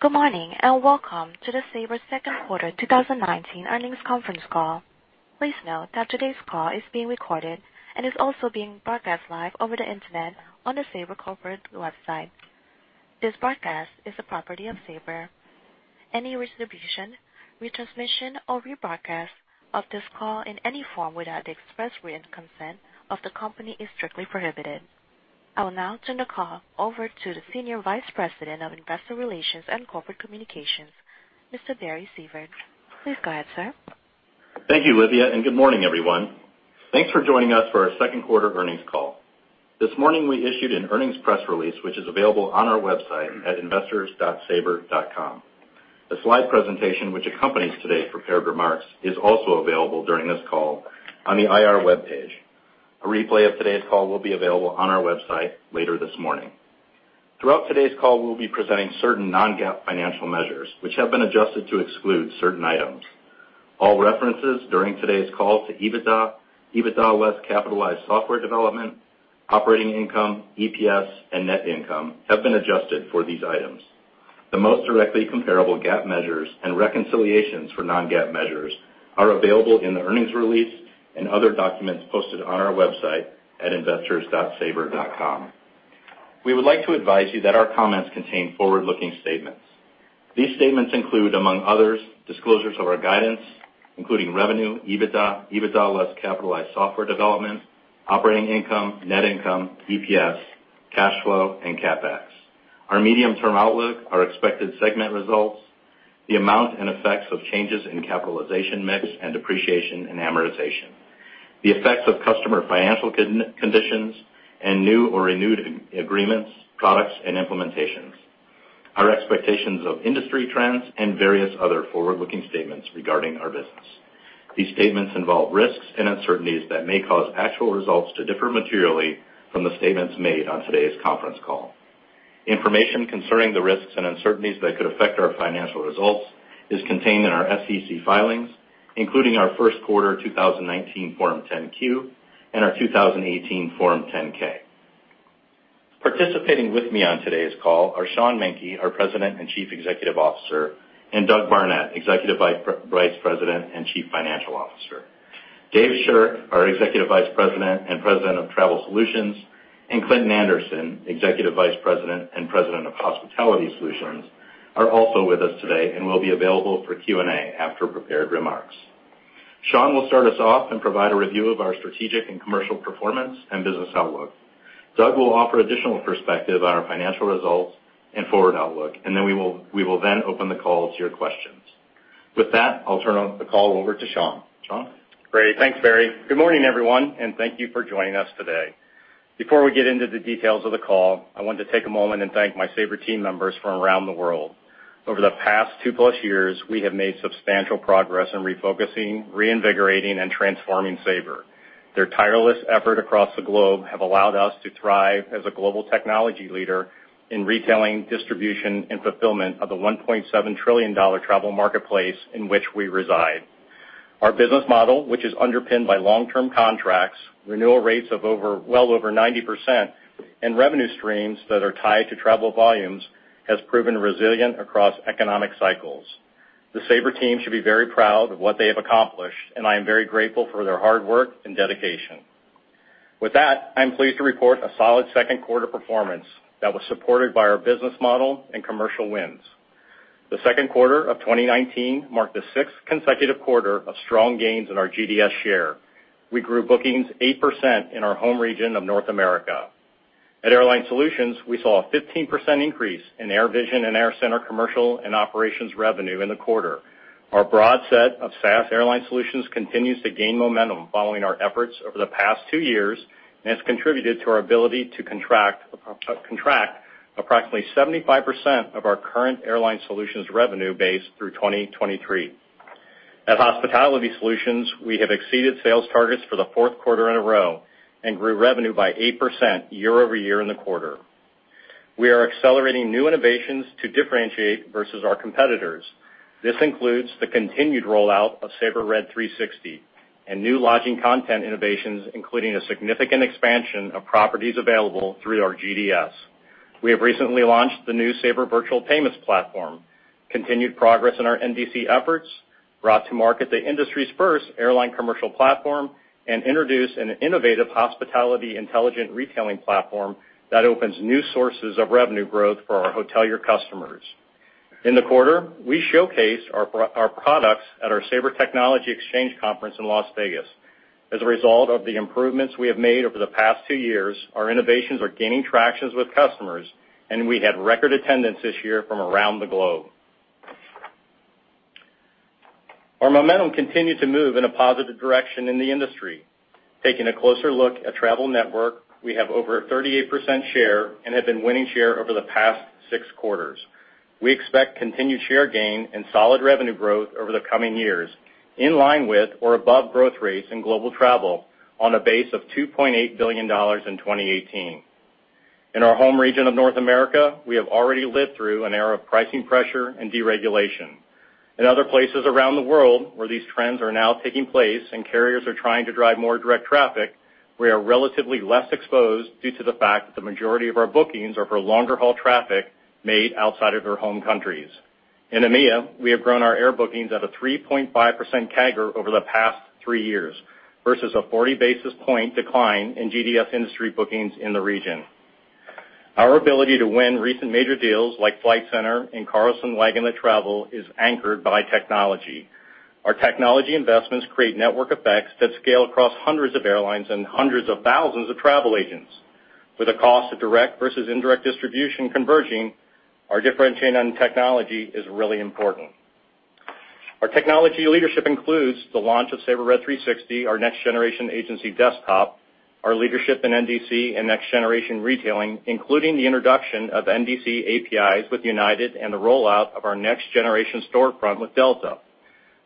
Good morning, welcome to the Sabre second quarter 2019 earnings conference call. Please note that today's call is being recorded and is also being broadcast live over the internet on the Sabre corporate website. This broadcast is the property of Sabre. Any distribution, retransmission, or rebroadcast of this call in any form without the express written consent of the company is strictly prohibited. I will now turn the call over to the Senior Vice President of Investor Relations and Corporate Communications, Mr. Barry Sievert. Please go ahead, sir. Thank you, Olivia, good morning, everyone. Thanks for joining us for our second quarter earnings call. This morning, we issued an earnings press release, which is available on our website at investors.sabre.com. A slide presentation which accompanies today's prepared remarks is also available during this call on the IR webpage. A replay of today's call will be available on our website later this morning. Throughout today's call, we'll be presenting certain non-GAAP financial measures, which have been adjusted to exclude certain items. All references during today's call to EBITDA less capitalized software development, operating income, EPS, and net income have been adjusted for these items. The most directly comparable GAAP measures and reconciliations for non-GAAP measures are available in the earnings release and other documents posted on our website at investors.sabre.com. We would like to advise you that our comments contain forward-looking statements. These statements include, among others, disclosures of our guidance, including revenue, EBITDA less capitalized software development, operating income, net income, EPS, cash flow, and CapEx. Our medium-term outlook, our expected segment results, the amount and effects of changes in capitalization mix and depreciation and amortization. The effects of customer financial conditions and new or renewed agreements, products, and implementations, our expectations of industry trends, and various other forward-looking statements regarding our business. These statements involve risks and uncertainties that may cause actual results to differ materially from the statements made on today's conference call. Information concerning the risks and uncertainties that could affect our financial results is contained in our SEC filings, including our first quarter 2019 Form 10-Q and our 2018 Form 10-K. Participating with me on today's call are Sean Menke, our President and Chief Executive Officer, and Doug Barnett, Executive Vice President and Chief Financial Officer. Dave Shirk, our Executive Vice President and President of Travel Solutions, and Clinton Anderson, Executive Vice President and President of Hospitality Solutions, are also with us today and will be available for Q&A after prepared remarks. Sean will start us off and provide a review of our strategic and commercial performance and business outlook. Doug will offer additional perspective on our financial results and forward outlook. Then we will then open the call to your questions. With that, I'll turn the call over to Sean. Sean? Great. Thanks, Barry. Good morning, everyone, and thank you for joining us today. Before we get into the details of the call, I wanted to take a moment and thank my Sabre team members from around the world. Over the past two-plus years, we have made substantial progress in refocusing, reinvigorating, and transforming Sabre. Their tireless effort across the globe have allowed us to thrive as a global technology leader in retailing, distribution, and fulfillment of the $1.7 trillion travel marketplace in which we reside. Our business model, which is underpinned by long-term contracts, renewal rates of well over 90%, and revenue streams that are tied to travel volumes, has proven resilient across economic cycles. The Sabre team should be very proud of what they have accomplished, and I am very grateful for their hard work and dedication. With that, I'm pleased to report a solid second quarter performance that was supported by our business model and commercial wins. The second quarter of 2019 marked the sixth consecutive quarter of strong gains in our GDS share. We grew bookings 8% in our home region of North America. At Airline Solutions, we saw a 15% increase in AirVision and AirCentre commercial and operations revenue in the quarter. Our broad set of SaaS airline solutions continues to gain momentum following our efforts over the past two years, and has contributed to our ability to contract approximately 75% of our current Airline Solutions revenue base through 2023. At Hospitality Solutions, we have exceeded sales targets for the fourth quarter in a row and grew revenue by 8% year-over-year in the quarter. We are accelerating new innovations to differentiate versus our competitors. This includes the continued rollout of Sabre Red 360 and new lodging content innovations, including a significant expansion of properties available through our GDS. We have recently launched the new Sabre Virtual Payments platform, continued progress in our NDC efforts, brought to market the industry's first airline commercial platform, and introduced an innovative hospitality intelligent retailing platform that opens new sources of revenue growth for our hotelier customers. In the quarter, we showcased our products at our Sabre Technology Exchange conference in Las Vegas. As a result of the improvements we have made over the past two years, our innovations are gaining traction with customers, and we had record attendance this year from around the globe. Our momentum continued to move in a positive direction in the industry. Taking a closer look at Travel Network, we have over a 38% share and have been winning share over the past six quarters. We expect continued share gain and solid revenue growth over the coming years, in line with or above growth rates in global travel on a base of $2.8 billion in 2018. In our home region of North America, we have already lived through an era of pricing pressure and deregulation. In other places around the world where these trends are now taking place and carriers are trying to drive more direct traffic, we are relatively less exposed due to the fact that the majority of our bookings are for longer haul traffic made outside of their home countries. In EMEA, we have grown our air bookings at a 3.5% CAGR over the past three years, versus a 40 basis point decline in GDS industry bookings in the region. Our ability to win recent major deals like Flight Centre and Carlson Wagonlit Travel is anchored by technology. Our technology investments create network effects that scale across hundreds of airlines and hundreds of thousands of travel agents. With the cost of direct versus indirect distribution converging, our differentiating on technology is really important. Our technology leadership includes the launch of Sabre Red 360, our next generation agency desktop, our leadership in NDC and next generation retailing, including the introduction of NDC APIs with United and the rollout of our next generation storefront with Delta,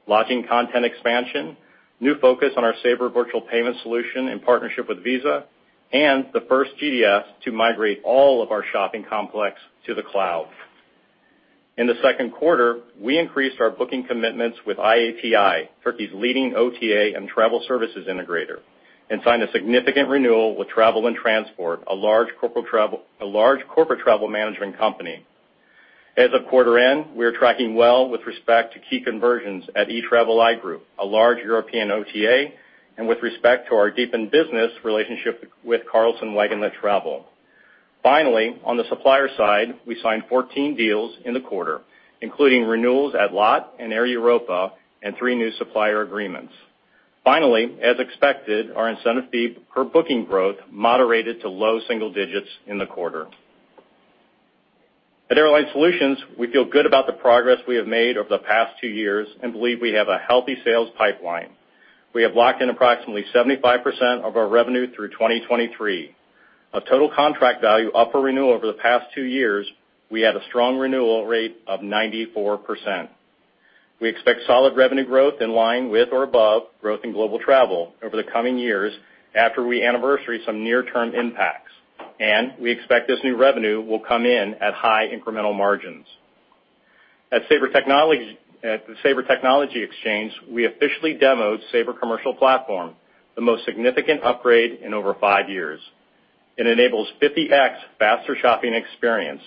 lodging content expansion, new focus on our Sabre Virtual Payments solution in partnership with Visa, and the first GDS to migrate all of our shopping complex to the cloud. In the second quarter, we increased our booking commitments with IATI, Turkey's leading OTA and travel services integrator, and signed a significant renewal with Travel and Transport, a large corporate travel management company. As of quarter end, we are tracking well with respect to key conversions at Etraveli Group, a large European OTA, and with respect to our deepened business relationship with Carlson Wagonlit Travel. Finally, on the supplier side, we signed 14 deals in the quarter, including renewals at LOT and Air Europa, and three new supplier agreements. Finally, as expected, our incentive fee per booking growth moderated to low single digits in the quarter. At Airline Solutions, we feel good about the progress we have made over the past two years and believe we have a healthy sales pipeline. We have locked in approximately 75% of our revenue through 2023. Our total contract value up for renewal over the past two years, we had a strong renewal rate of 94%. We expect solid revenue growth in line with or above growth in global travel over the coming years after we anniversary some near-term impacts, and we expect this new revenue will come in at high incremental margins. At the Sabre Technology Exchange, we officially demoed Sabre Commercial Platform, the most significant upgrade in over five years. It enables 50x faster shopping experience,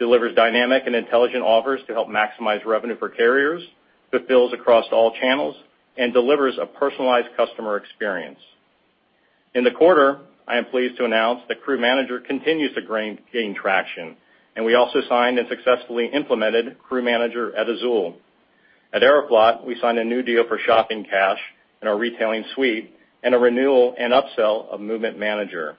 delivers dynamic and intelligent offers to help maximize revenue for carriers, fulfills across all channels, and delivers a personalized customer experience. In the quarter, I am pleased to announce that Crew Manager continues to gain traction, and we also signed and successfully implemented Crew Manager at Azul. At Aeroflot, we signed a new deal for Shopping Cash and our retailing suite, and a renewal and upsell of Movement Manager.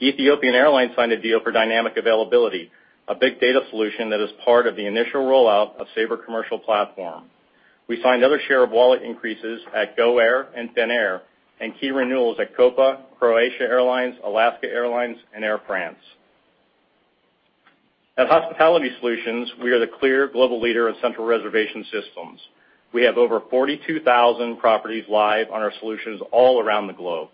Ethiopian Airlines signed a deal for Dynamic Availability, a big data solution that is part of the initial rollout of Sabre Commercial Platform. We signed other share of wallet increases at GoAir and Finnair, and key renewals at Copa, Croatia Airlines, Alaska Airlines and Air France. At Hospitality Solutions, we are the clear global leader of central reservation systems. We have over 42,000 properties live on our solutions all around the globe.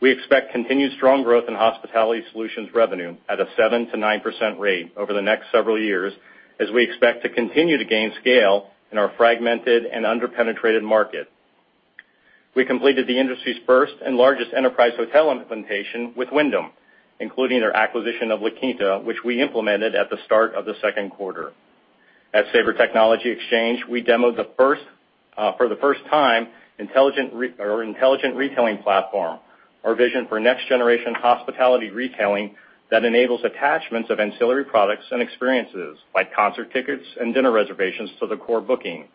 We expect continued strong growth in Hospitality Solutions revenue at a 7%-9% rate over the next several years, as we expect to continue to gain scale in our fragmented and under-penetrated market. We completed the industry's first and largest enterprise hotel implementation with Wyndham, including their acquisition of La Quinta, which we implemented at the start of the second quarter. At Sabre Technology Exchange, we demoed for the first time our intelligent retailing platform, our vision for next generation hospitality retailing that enables attachments of ancillary products and experiences, like concert tickets and dinner reservations to the core booking.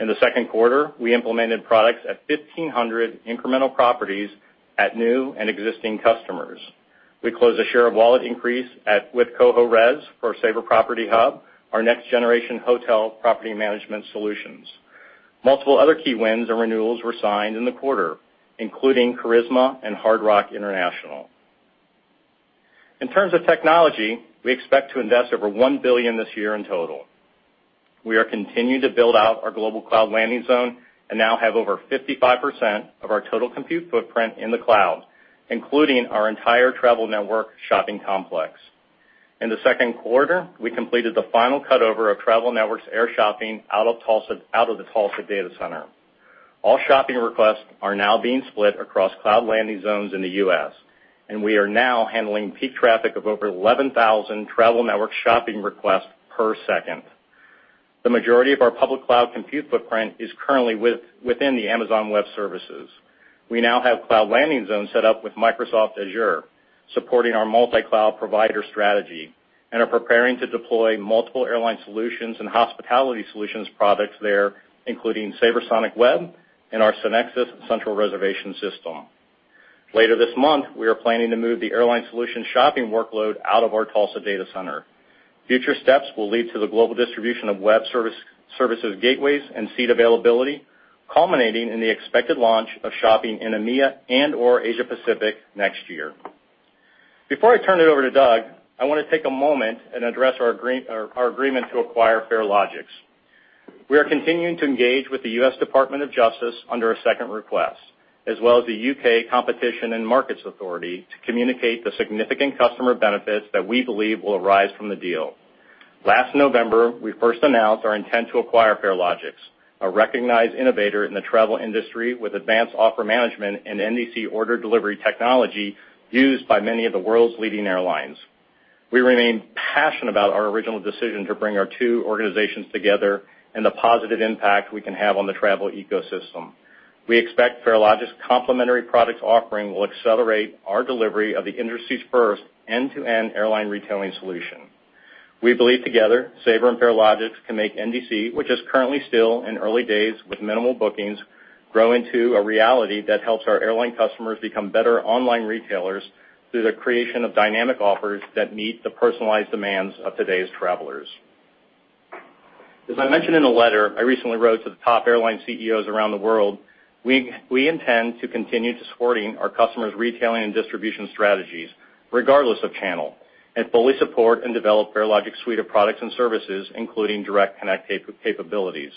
In the second quarter, we implemented products at 1,500 incremental properties at new and existing customers. We closed a share of wallet increase with Choice Hotels for Sabre Property Hub, our next generation hotel property management solutions. Multiple other key wins and renewals were signed in the quarter, including Karisma and Hard Rock International. In terms of technology, we expect to invest over $1 billion this year in total. We are continuing to build out our global cloud landing zone and now have over 55% of our total compute footprint in the cloud, including our entire Travel Network shopping complex. In the second quarter, we completed the final cut-over of Travel Network's air shopping out of the Tulsa data center. All shopping requests are now being split across cloud landing zones in the U.S., and we are now handling peak traffic of over 11,000 Travel Network shopping requests per second. The majority of our public cloud compute footprint is currently within the Amazon Web Services. We now have cloud landing zones set up with Microsoft Azure, supporting our multi-cloud provider strategy, and are preparing to deploy multiple Airline Solutions and Hospitality Solutions products there, including SabreSonic Web and our SynXis central reservation system. Later this month, we are planning to move the Airline Solutions shopping workload out of our Tulsa data center. Future steps will lead to the global distribution of web services gateways and seat availability, culminating in the expected launch of shopping in EMEA and/or Asia Pacific next year. Before I turn it over to Doug, I want to take a moment and address our agreement to acquire Farelogix. We are continuing to engage with the U.S. Department of Justice under a second request. As well as the U.K. Competition and Markets Authority to communicate the significant customer benefits that we believe will arise from the deal. Last November, we first announced our intent to acquire Farelogix, a recognized innovator in the travel industry with advanced offer management and NDC order delivery technology used by many of the world's leading airlines. We remain passionate about our original decision to bring our two organizations together and the positive impact we can have on the travel ecosystem. We expect Farelogix's complementary products offering will accelerate our delivery of the industry's first end-to-end airline retailing solution. We believe together, Sabre and Farelogix can make NDC, which is currently still in early days with minimal bookings, grow into a reality that helps our airline customers become better online retailers through the creation of dynamic offers that meet the personalized demands of today's travelers. As I mentioned in a letter I recently wrote to the top airline CEOs around the world, we intend to continue supporting our customers' retailing and distribution strategies regardless of channel, and fully support and develop Farelogix's suite of products and services, including direct connect capabilities.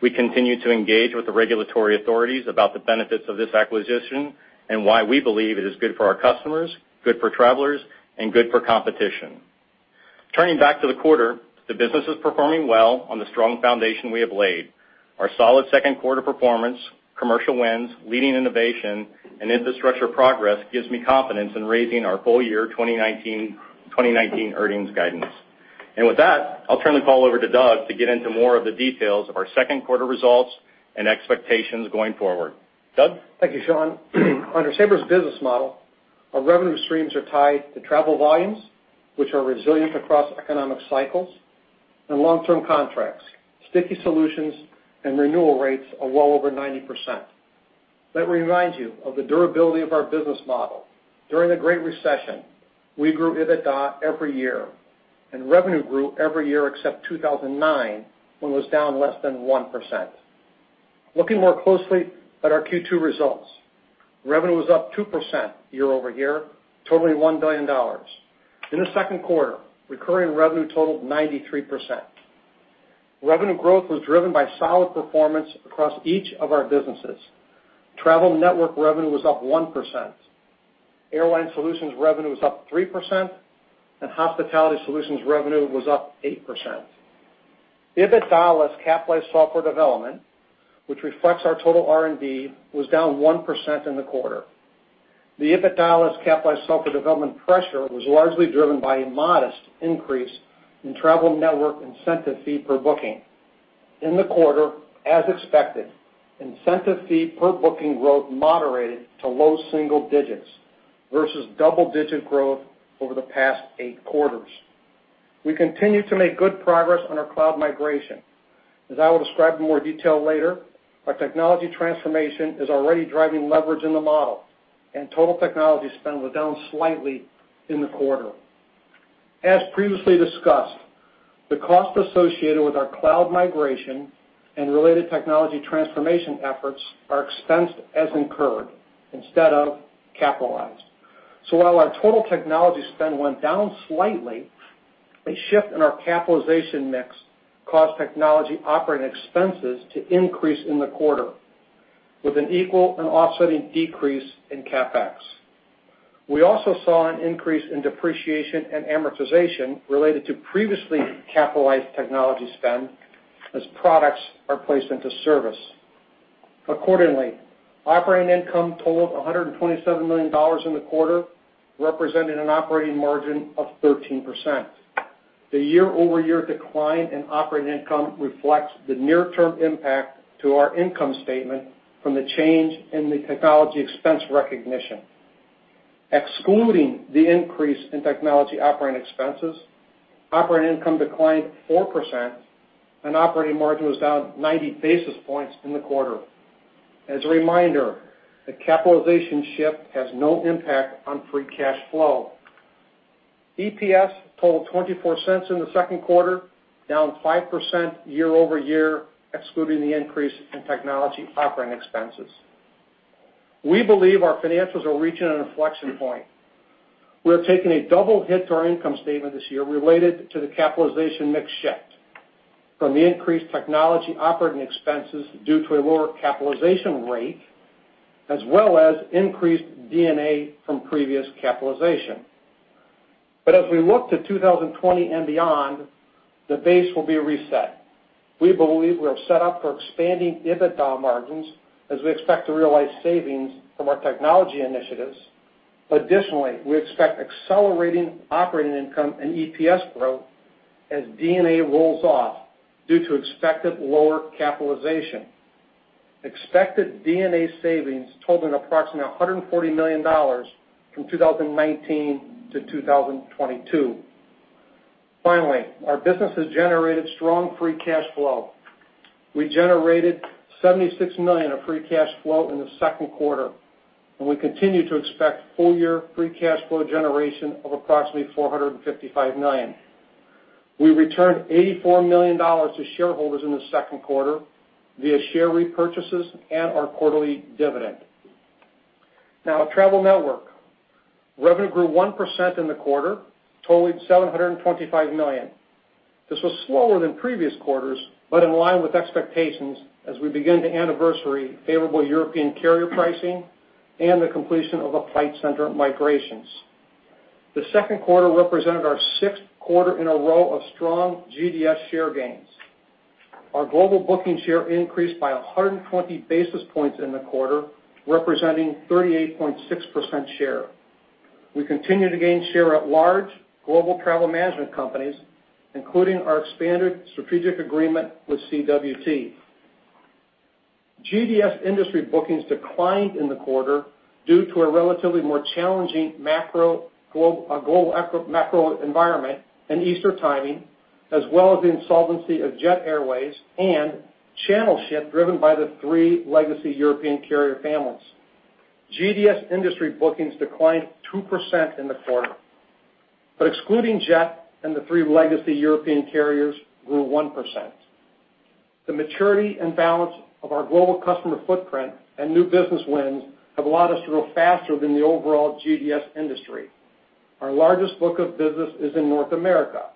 We continue to engage with the regulatory authorities about the benefits of this acquisition and why we believe it is good for our customers, good for travelers, and good for competition. Turning back to the quarter, the business is performing well on the strong foundation we have laid. Our solid second quarter performance, commercial wins, leading innovation, and infrastructure progress gives me confidence in raising our full year 2019 earnings guidance. With that, I'll turn the call over to Doug to get into more of the details of our second quarter results and expectations going forward. Doug? Thank you, Sean. Under Sabre's business model, our revenue streams are tied to travel volumes, which are resilient across economic cycles and long-term contracts. Sticky solutions and renewal rates are well over 90%. Let me remind you of the durability of our business model. During the Great Recession, we grew EBITDA every year, and revenue grew every year except 2009, when it was down less than 1%. Looking more closely at our Q2 results, revenue was up 2% year-over-year, totaling $1 billion. In the second quarter, recurring revenue totaled 93%. Revenue growth was driven by solid performance across each of our businesses. Travel Network revenue was up 1%, Airline Solutions revenue was up 3%, and Hospitality Solutions revenue was up 8%. EBITDA less capitalized software development, which reflects our total R&D, was down 1% in the quarter. The EBITDA less capitalized software development pressure was largely driven by a modest increase in Travel Network incentive fee per booking. In the quarter, as expected, incentive fee per booking growth moderated to low single digits versus double-digit growth over the past eight quarters. We continue to make good progress on our cloud migration. As I will describe in more detail later, our technology transformation is already driving leverage in the model, and total technology spend was down slightly in the quarter. As previously discussed, the cost associated with our cloud migration and related technology transformation efforts are expensed as incurred instead of capitalized. While our total technology spend went down slightly, a shift in our capitalization mix caused technology operating expenses to increase in the quarter with an equal and offsetting decrease in CapEx. We also saw an increase in Depreciation and Amortization related to previously capitalized technology spend as products are placed into service. Accordingly, operating income totaled $127 million in the quarter, representing an operating margin of 13%. The year-over-year decline in operating income reflects the near-term impact to our income statement from the change in the technology expense recognition. Excluding the increase in technology operating expenses, operating income declined 4%, and operating margin was down 90 basis points in the quarter. As a reminder, the capitalization shift has no impact on free cash flow. EPS totaled $0.24 in the second quarter, down 5% year-over-year, excluding the increase in technology operating expenses. We believe our financials are reaching an inflection point. We have taken a double hit to our income statement this year related to the capitalization mix shift from the increased technology operating expenses due to a lower capitalization rate, as well as increased D&A from previous capitalization. As we look to 2020 and beyond, the base will be reset. We believe we're set up for expanding EBITDA margins as we expect to realize savings from our technology initiatives. Additionally, we expect accelerating operating income and EPS growth as D&A rolls off due to expected lower capitalization. Expected D&A savings totaling approximately $140 million from 2019 to 2022. Finally, our business has generated strong free cash flow. We generated $76 million of free cash flow in the second quarter, and we continue to expect full year free cash flow generation of approximately $455 million. We returned $84 million to shareholders in the second quarter via share repurchases and our quarterly dividend. Travel Network. Revenue grew 1% in the quarter, totaling $725 million. This was slower than previous quarters, but in line with expectations as we begin to anniversary favorable European carrier pricing and the completion of the Flight Centre migrations. The second quarter represented our sixth quarter in a row of strong GDS share gains. Our global booking share increased by 120 basis points in the quarter, representing 38.6% share. We continue to gain share at large global travel management companies, including our expanded strategic agreement with CWT. GDS industry bookings declined in the quarter due to a relatively more challenging macro environment and Easter timing, as well as the insolvency of Jet Airways and channel shift driven by the three legacy European carrier failures. GDS industry bookings declined 2% in the quarter, but excluding Jet and the three legacy European carriers, grew 1%. The maturity and balance of our global customer footprint and new business wins have allowed us to grow faster than the overall GDS industry. Our largest book of business is in North America.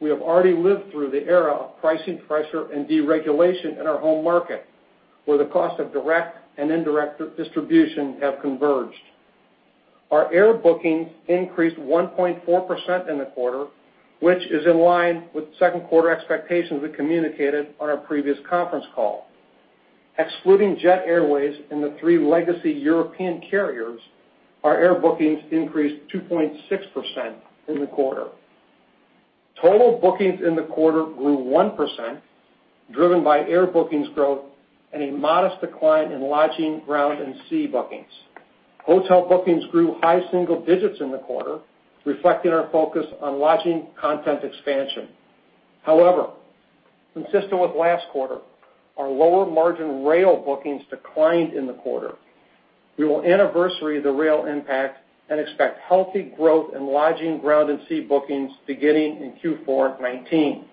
We have already lived through the era of pricing pressure and deregulation in our home market, where the cost of direct and indirect distribution have converged. Our air bookings increased 1.4% in the quarter, which is in line with second-quarter expectations we communicated on our previous conference call. Excluding Jet Airways and the three legacy European carriers, our air bookings increased 2.6% in the quarter. Total bookings in the quarter grew 1%, driven by air bookings growth and a modest decline in lodging, ground, and sea bookings. Hotel bookings grew high single digits in the quarter, reflecting our focus on lodging content expansion. Consistent with last quarter, our lower-margin rail bookings declined in the quarter. We will anniversary the rail impact and expect healthy growth in lodging, ground, and sea bookings beginning in Q4 2019.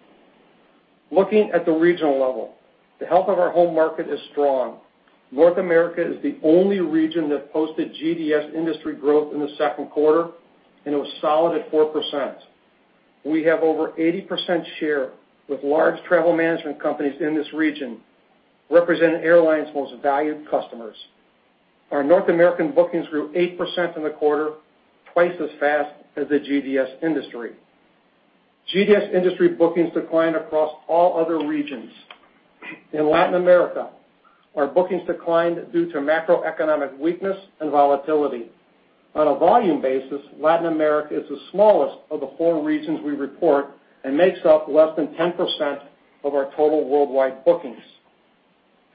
Looking at the regional level, the health of our home market is strong. North America is the only region that posted GDS industry growth in the second quarter, and it was solid at 4%. We have over 80% share with large travel management companies in this region, representing airlines' most valued customers. Our North American bookings grew 8% in the quarter, twice as fast as the GDS industry. GDS industry bookings declined across all other regions. In Latin America, our bookings declined due to macroeconomic weakness and volatility. On a volume basis, Latin America is the smallest of the four regions we report and makes up less than 10% of our total worldwide bookings.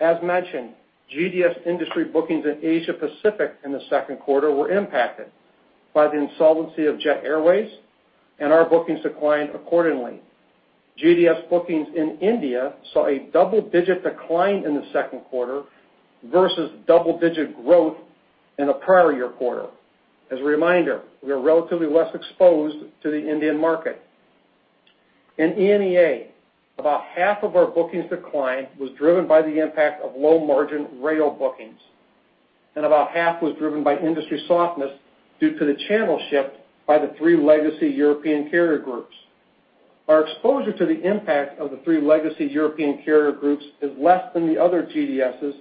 As mentioned, GDS industry bookings in Asia Pacific in the second quarter were impacted by the insolvency of Jet Airways, and our bookings declined accordingly. GDS bookings in India saw a double-digit decline in the second quarter versus double-digit growth in the prior year quarter. As a reminder, we are relatively less exposed to the Indian market. In EMEA, about half of our bookings decline was driven by the impact of low-margin rail bookings, and about half was driven by industry softness due to the channel shift by the three legacy European carrier groups. Our exposure to the impact of the three legacy European carrier groups is less than the other GDSs,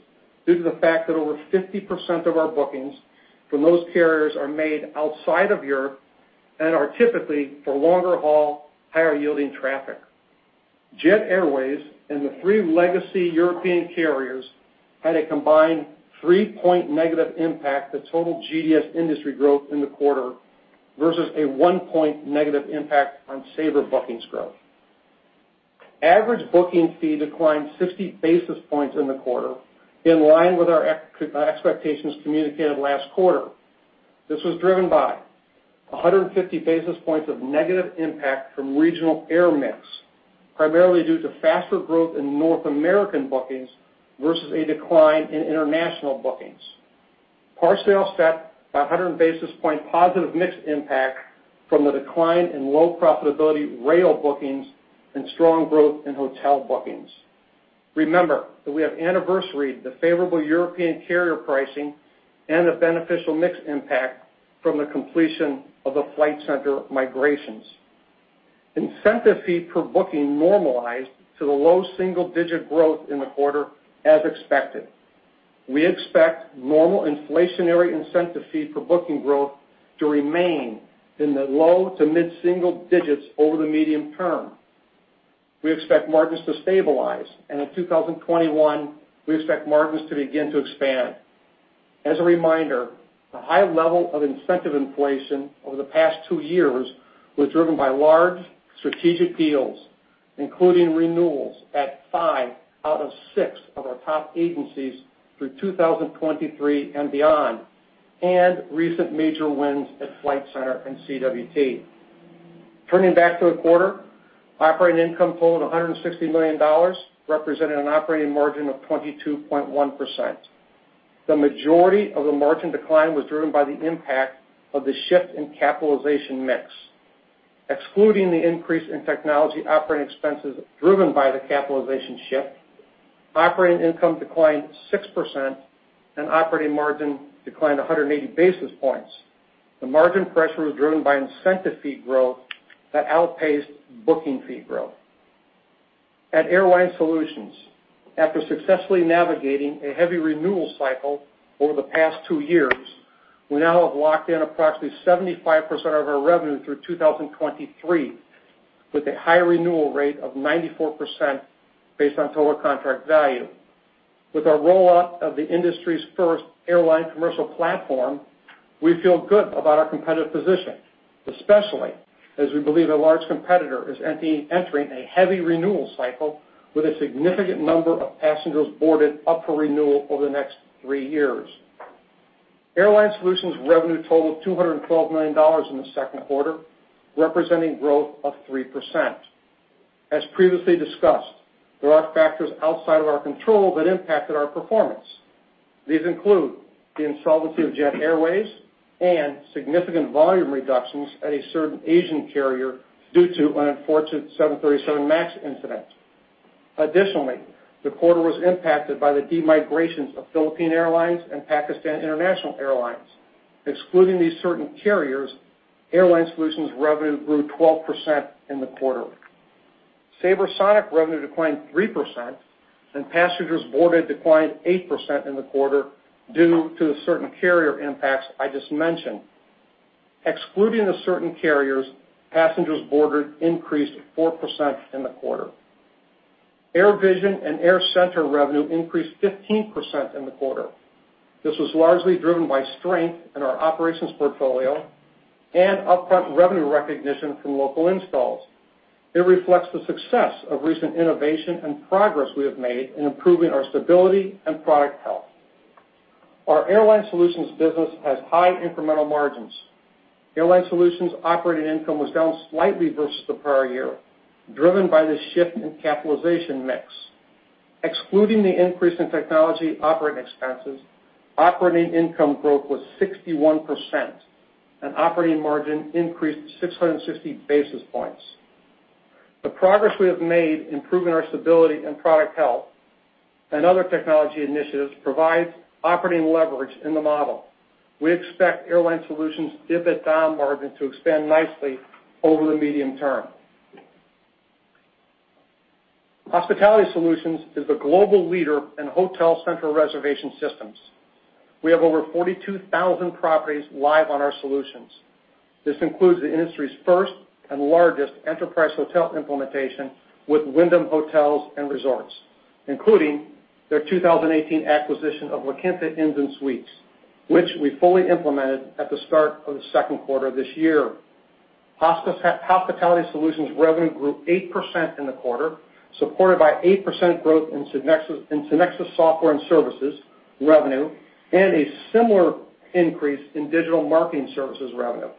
due to the fact that over 50% of our bookings from those carriers are made outside of Europe and are typically for longer-haul, higher-yielding traffic. Jet Airways and the three legacy European carriers had a combined three-point negative impact to total GDS industry growth in the quarter versus a one-point negative impact on Sabre bookings growth. Average booking fee declined 60 basis points in the quarter, in line with our expectations communicated last quarter. This was driven by 150 basis points of negative impact from regional air mix, primarily due to faster growth in North American bookings versus a decline in international bookings. Partially offset by 100 basis points positive mix impact from the decline in low profitability rail bookings and strong growth in hotel bookings. Remember that we have anniversaried the favorable European carrier pricing and the beneficial mix impact from the completion of the Flight Centre migrations. Incentive fee per booking normalized to the low single-digit growth in the quarter as expected. We expect normal inflationary incentive fee per booking growth to remain in the low to mid-single digits over the medium term. We expect margins to stabilize, and in 2021, we expect margins to begin to expand. As a reminder, the high level of incentive inflation over the past two years was driven by large strategic deals, including renewals at five out of six of our top agencies through 2023 and beyond, and recent major wins at Flight Centre and CWT. Turning back to the quarter, operating income totaled $160 million, representing an operating margin of 22.1%. The majority of the margin decline was driven by the impact of the shift in capitalization mix. Excluding the increase in technology operating expenses driven by the capitalization shift, operating income declined 6%, and operating margin declined 180 basis points. The margin pressure was driven by incentive fee growth that outpaced booking fee growth. At Airline Solutions, after successfully navigating a heavy renewal cycle over the past two years, we now have locked in approximately 75% of our revenue through 2023, with a high renewal rate of 94% based on total contract value. With our rollout of the industry's first Sabre Commercial Platform, we feel good about our competitive position, especially as we believe a large competitor is entering a heavy renewal cycle with a significant number of passengers boarded up for renewal over the next three years. Airline Solutions revenue totaled $212 million in the second quarter, representing growth of 3%. As previously discussed, there are factors outside of our control that impacted our performance. These include the insolvency of Jet Airways and significant volume reductions at a certain Asian carrier due to an unfortunate 737 MAX incident. The quarter was impacted by the de-migrations of Philippine Airlines and Pakistan International Airlines. Excluding these certain carriers, Airline Solutions revenue grew 12% in the quarter. SabreSonic revenue declined 3%, and passengers boarded declined 8% in the quarter due to the certain carrier impacts I just mentioned. Excluding the certain carriers, passengers boarded increased 4% in the quarter. AirVision and AirCentre revenue increased 15% in the quarter. This was largely driven by strength in our operations portfolio and upfront revenue recognition from local installs. It reflects the success of recent innovation and progress we have made in improving our stability and product health. Our Airline Solutions business has high incremental margins. Airline Solutions operating income was down slightly versus the prior year, driven by the shift in capitalization mix. Excluding the increase in technology operating expenses, operating income growth was 61%, and operating margin increased 660 basis points. The progress we have made improving our stability and product health and other technology initiatives provides operating leverage in the model. We expect Airline Solutions EBITDA margin to expand nicely over the medium term. Hospitality Solutions is the global leader in hotel central reservation systems. We have over 42,000 properties live on our solutions. This includes the industry's first and largest enterprise hotel implementation with Wyndham Hotels & Resorts, including their 2018 acquisition of La Quinta Inns & Suites, which we fully implemented at the start of the second quarter of this year. Hospitality Solutions revenue grew 8% in the quarter, supported by 8% growth in SynXis software and services revenue and a similar increase in digital marketing services revenue.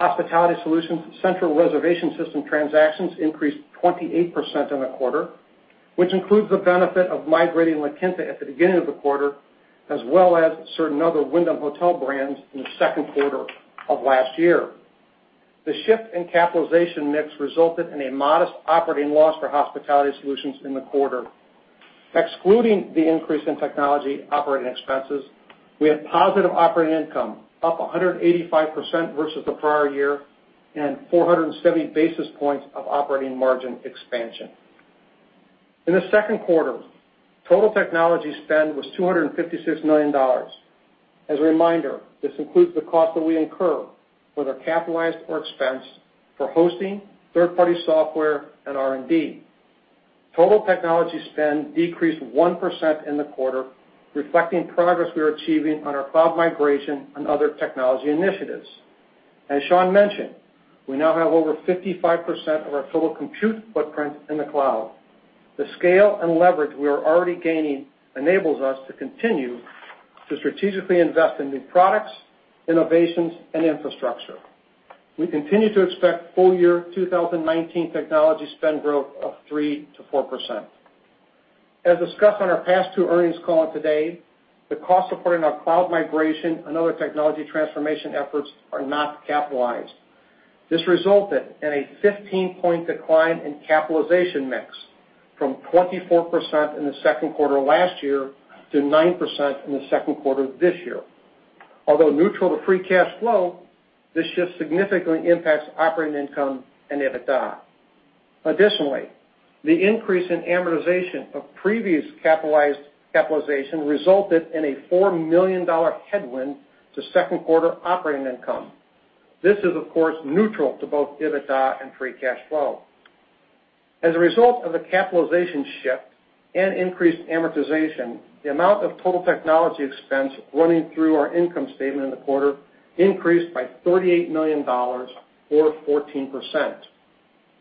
Hospitality Solutions central reservation system transactions increased 28% in the quarter, which includes the benefit of migrating La Quinta at the beginning of the quarter, as well as certain other Wyndham hotel brands in the second quarter of last year. The shift in capitalization mix resulted in a modest operating loss for Hospitality Solutions in the quarter. Excluding the increase in technology operating expenses, we had positive operating income up 185% versus the prior year and 470 basis points of operating margin expansion. In the second quarter, total technology spend was $256 million. As a reminder, this includes the cost that we incur, whether capitalized or expensed, for hosting third-party software and R&D. Total technology spend decreased 1% in the quarter, reflecting progress we are achieving on our cloud migration and other technology initiatives. As Sean mentioned, we now have over 55% of our total compute footprint in the cloud. The scale and leverage we are already gaining enables us to continue to strategically invest in new products, innovations, and infrastructure. We continue to expect full-year 2019 technology spend growth of 3%-4%. As discussed on our past two earnings calls today, the cost of putting our cloud migration and other technology transformation efforts are not capitalized. This resulted in a 15-point decline in capitalization mix from 24% in the second quarter last year to 9% in the second quarter of this year. Although neutral to free cash flow, this shift significantly impacts operating income and EBITDA. Additionally, the increase in amortization of previous capitalization resulted in a $4 million headwind to second quarter operating income. This is, of course, neutral to both EBITDA and free cash flow. As a result of the capitalization shift and increased amortization, the amount of total technology expense running through our income statement in the quarter increased by $38 million, or 14%.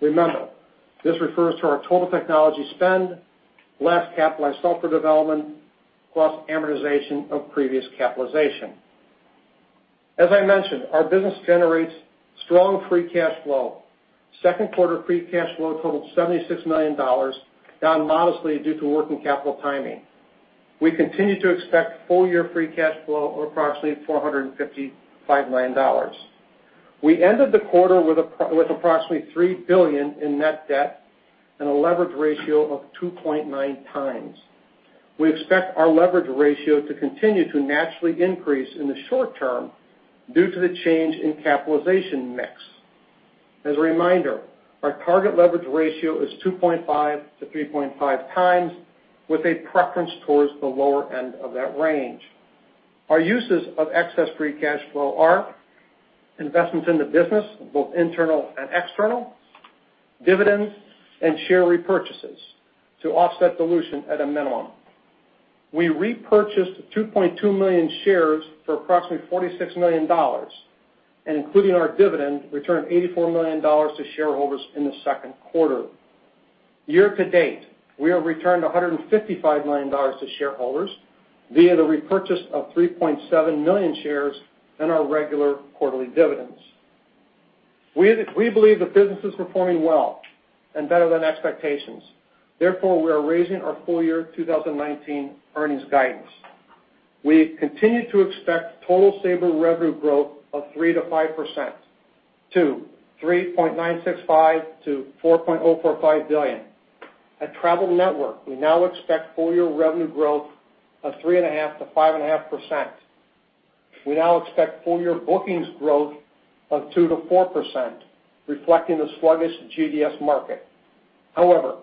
Remember, this refers to our total technology spend less capitalized software development, plus amortization of previous capitalization. As I mentioned, our business generates strong free cash flow. Second quarter free cash flow totaled $76 million, down modestly due to working capital timing. We continue to expect full-year free cash flow of approximately $455 million. We ended the quarter with approximately $3 billion in net debt and a leverage ratio of 2.9 times. We expect our leverage ratio to continue to naturally increase in the short term due to the change in capitalization mix. As a reminder, our target leverage ratio is 2.5-3.5 times with a preference towards the lower end of that range. Our uses of excess free cash flow are investments in the business, both internal and external, dividends, and share repurchases to offset dilution at a minimum. We repurchased 2.2 million shares for approximately $46 million, and including our dividend, returned $84 million to shareholders in the second quarter. Year-to-date, we have returned $155 million to shareholders via the repurchase of 3.7 million shares and our regular quarterly dividends. We believe the business is performing well and better than expectations. Therefore, we are raising our full year 2019 earnings guidance. We continue to expect total Sabre revenue growth of 3%-5%, to $3.965 billion-$4.045 billion. At Travel Network, we now expect full year revenue growth of 3.5%-5.5%. We now expect full year bookings growth of 2%-4%, reflecting the sluggish GDS market. However,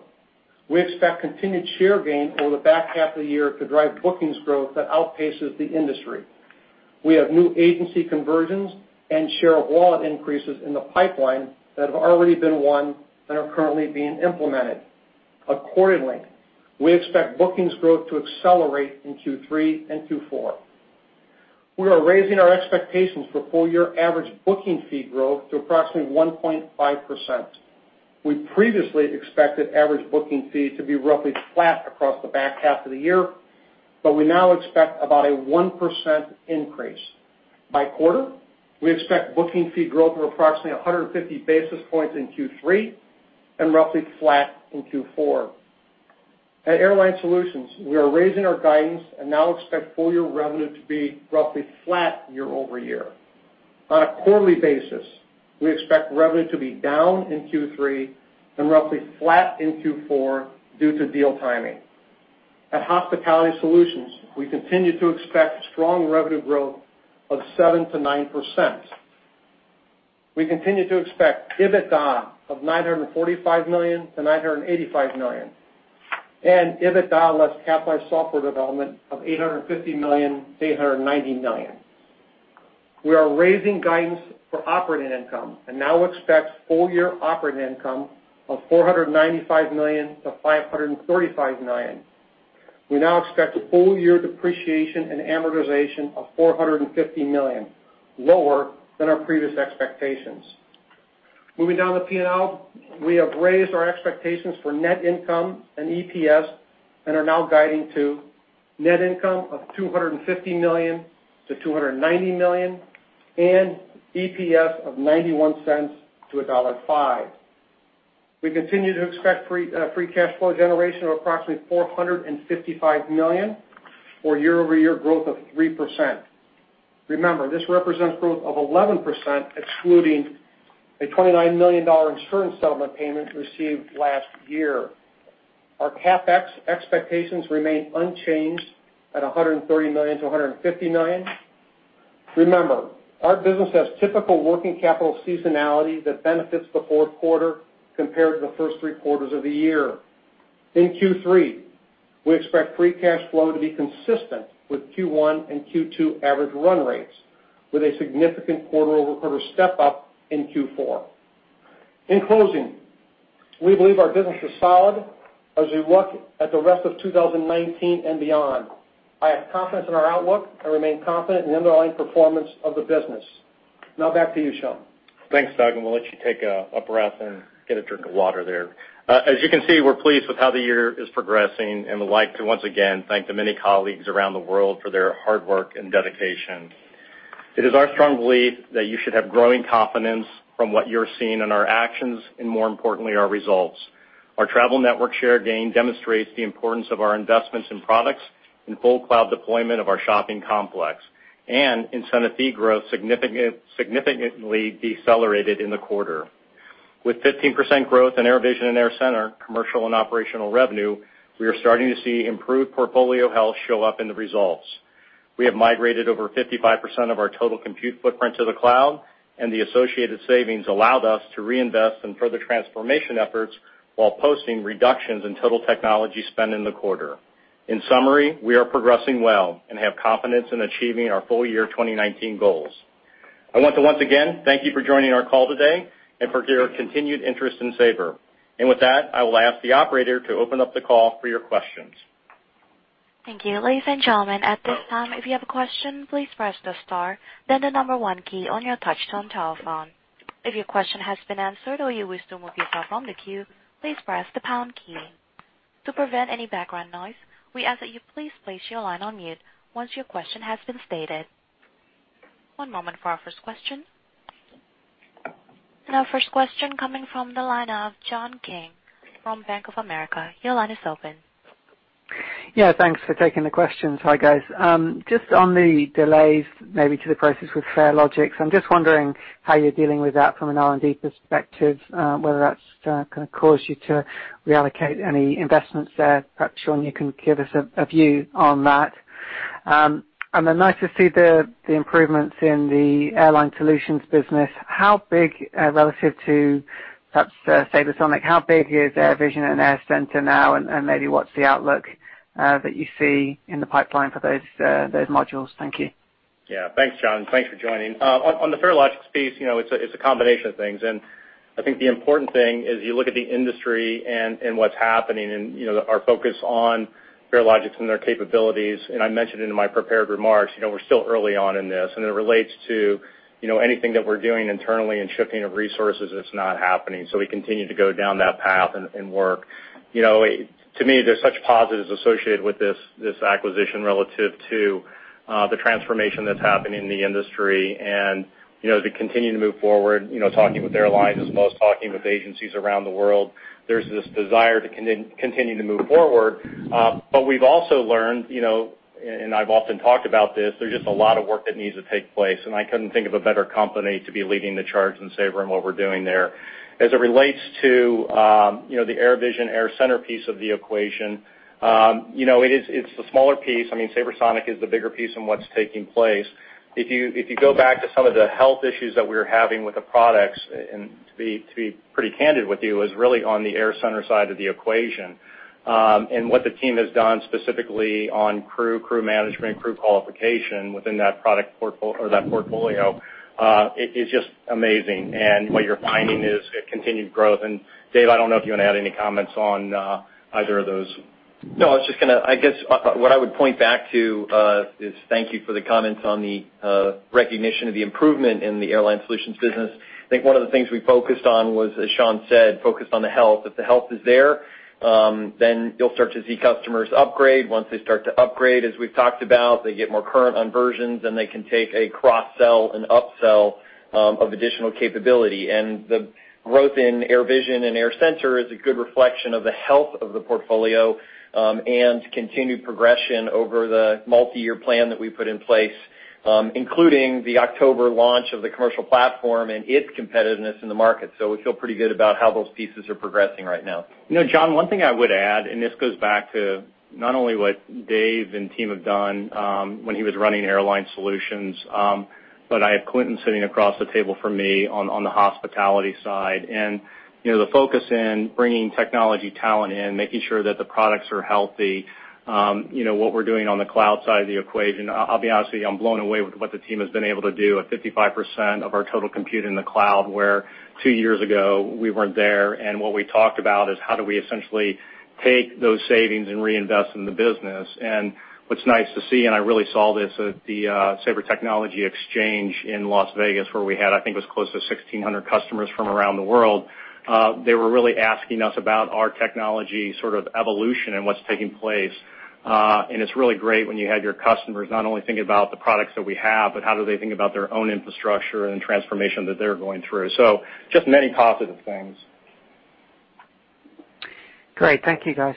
we expect continued share gain over the back half of the year to drive bookings growth that outpaces the industry. We have new agency conversions and share of wallet increases in the pipeline that have already been won and are currently being implemented. Accordingly, we expect bookings growth to accelerate in Q3 and Q4. We are raising our expectations for full year average booking fee growth to approximately 1.5%. We previously expected average booking fee to be roughly flat across the back half of the year, but we now expect about a 1% increase. By quarter, we expect booking fee growth of approximately 150 basis points in Q3 and roughly flat in Q4. At Airline Solutions, we are raising our guidance and now expect full year revenue to be roughly flat year-over-year. On a quarterly basis, we expect revenue to be down in Q3 and roughly flat in Q4 due to deal timing. At Hospitality Solutions, we continue to expect strong revenue growth of 7% to 9%. We continue to expect EBITDA of $945 million-$985 million and EBITDA less capitalized software development of $850 million-$890 million. We are raising guidance for operating income and now expect full year operating income of $495 million-$535 million. We now expect full year depreciation and amortization of $450 million, lower than our previous expectations. Moving down the P&L, we have raised our expectations for net income and EPS and are now guiding to net income of $250 million-$290 million and EPS of $0.91 to $1.05. We continue to expect free cash flow generation of approximately $455 million or year-over-year growth of 3%. Remember, this represents growth of 11% excluding a $29 million insurance settlement payment received last year. Our CapEx expectations remain unchanged at $130 million-$150 million. Remember, our business has typical working capital seasonality that benefits the fourth quarter compared to the first three quarters of the year. In Q3, we expect free cash flow to be consistent with Q1 and Q2 average run rates with a significant quarter-over-quarter step-up in Q4. In closing, we believe our business is solid as we look at the rest of 2019 and beyond. I have confidence in our outlook. I remain confident in the underlying performance of the business. Now back to you, Sean. Thanks, Doug. We'll let you take a breath and get a drink of water there. As you can see, we're pleased with how the year is progressing and would like to once again thank the many colleagues around the world for their hard work and dedication. It is our strong belief that you should have growing confidence from what you're seeing in our actions and more importantly, our results. Our Travel Network share gain demonstrates the importance of our investments in products and full cloud deployment of our shopping complex, and incentive fee growth significantly decelerated in the quarter. With 15% growth in AirVision and AirCentre commercial and operational revenue, we are starting to see improved portfolio health show up in the results. We have migrated over 55% of our total compute footprint to the cloud, and the associated savings allowed us to reinvest in further transformation efforts while posting reductions in total technology spend in the quarter. In summary, we are progressing well and have confidence in achieving our full year 2019 goals. I want to once again thank you for joining our call today and for your continued interest in Sabre. With that, I will ask the operator to open up the call for your questions. Thank you. Ladies and gentlemen, at this time, if you have a question, please press the star, then the number one key on your touch-tone telephone. If your question has been answered or you wish to remove yourself from the queue, please press the pound key. To prevent any background noise, we ask that you please place your line on mute once your question has been stated. One moment for our first question. Our first question coming from the line of John King from Bank of America. Your line is open. Yeah, thanks for taking the questions. Hi, guys. Just on the delays maybe to the process with Farelogix, I'm just wondering how you're dealing with that from an R&D perspective, whether that's going to cause you to reallocate any investments there. Perhaps, Sean, you can give us a view on that. Then nice to see the improvements in the Airline Solutions business. How big, relative to, perhaps SabreSonic, how big is AirVision and AirCentre now, and maybe what's the outlook that you see in the pipeline for those modules? Thank you. Yeah, thanks, John. Thanks for joining. On the Farelogix piece, it's a combination of things. I think the important thing is you look at the industry and what's happening and our focus on Farelogix and their capabilities. I mentioned it in my prepared remarks, we're still early on in this. It relates to anything that we're doing internally and shifting of resources, it's not happening. We continue to go down that path and work. To me, there's such positives associated with this acquisition relative to the transformation that's happening in the industry. As we continue to move forward, talking with airlines, as well as talking with agencies around the world, there's this desire to continue to move forward. We've also learned, and I've often talked about this, there's just a lot of work that needs to take place, and I couldn't think of a better company to be leading the charge than Sabre and what we're doing there. As it relates to the AirVision, AirCentre piece of the equation, it's the smaller piece. SabreSonic is the bigger piece in what's taking place. If you go back to some of the health issues that we were having with the products, and to be pretty candid with you, is really on the AirCentre side of the equation. What the team has done specifically on crew management, crew qualification within that portfolio, is just amazing. What you're finding is a continued growth. Dave, I don't know if you want to add any comments on either of those. I guess what I would point back to, is thank you for the comments on the recognition of the improvement in the Airline Solutions business. I think one of the things we focused on was, as Sean said, focused on the health. If the health is there, you'll start to see customers upgrade. Once they start to upgrade, as we've talked about, they get more current on versions, then they can take a cross-sell and up-sell of additional capability. The growth in AirVision and AirCentre is a good reflection of the health of the portfolio, and continued progression over the multi-year plan that we put in place, including the October launch of the Commercial Platform and its competitiveness in the market. We feel pretty good about how those pieces are progressing right now. John, one thing I would add, this goes back to not only what Dave and team have done when he was running Airline Solutions, but I have Clinton sitting across the table from me on the hospitality side. The focus in bringing technology talent in, making sure that the products are healthy, what we're doing on the cloud side of the equation, I'll be honest with you, I'm blown away with what the team has been able to do at 55% of our total compute in the cloud, where two years ago we weren't there. What we talked about is how do we essentially take those savings and reinvest in the business. What's nice to see, and I really saw this at the Sabre Technology Exchange in Las Vegas, where we had, I think it was close to 1,600 customers from around the world. They were really asking us about our technology sort of evolution and what's taking place. It's really great when you have your customers not only thinking about the products that we have, but how do they think about their own infrastructure and transformation that they're going through. Just many positive things. Great. Thank you, guys.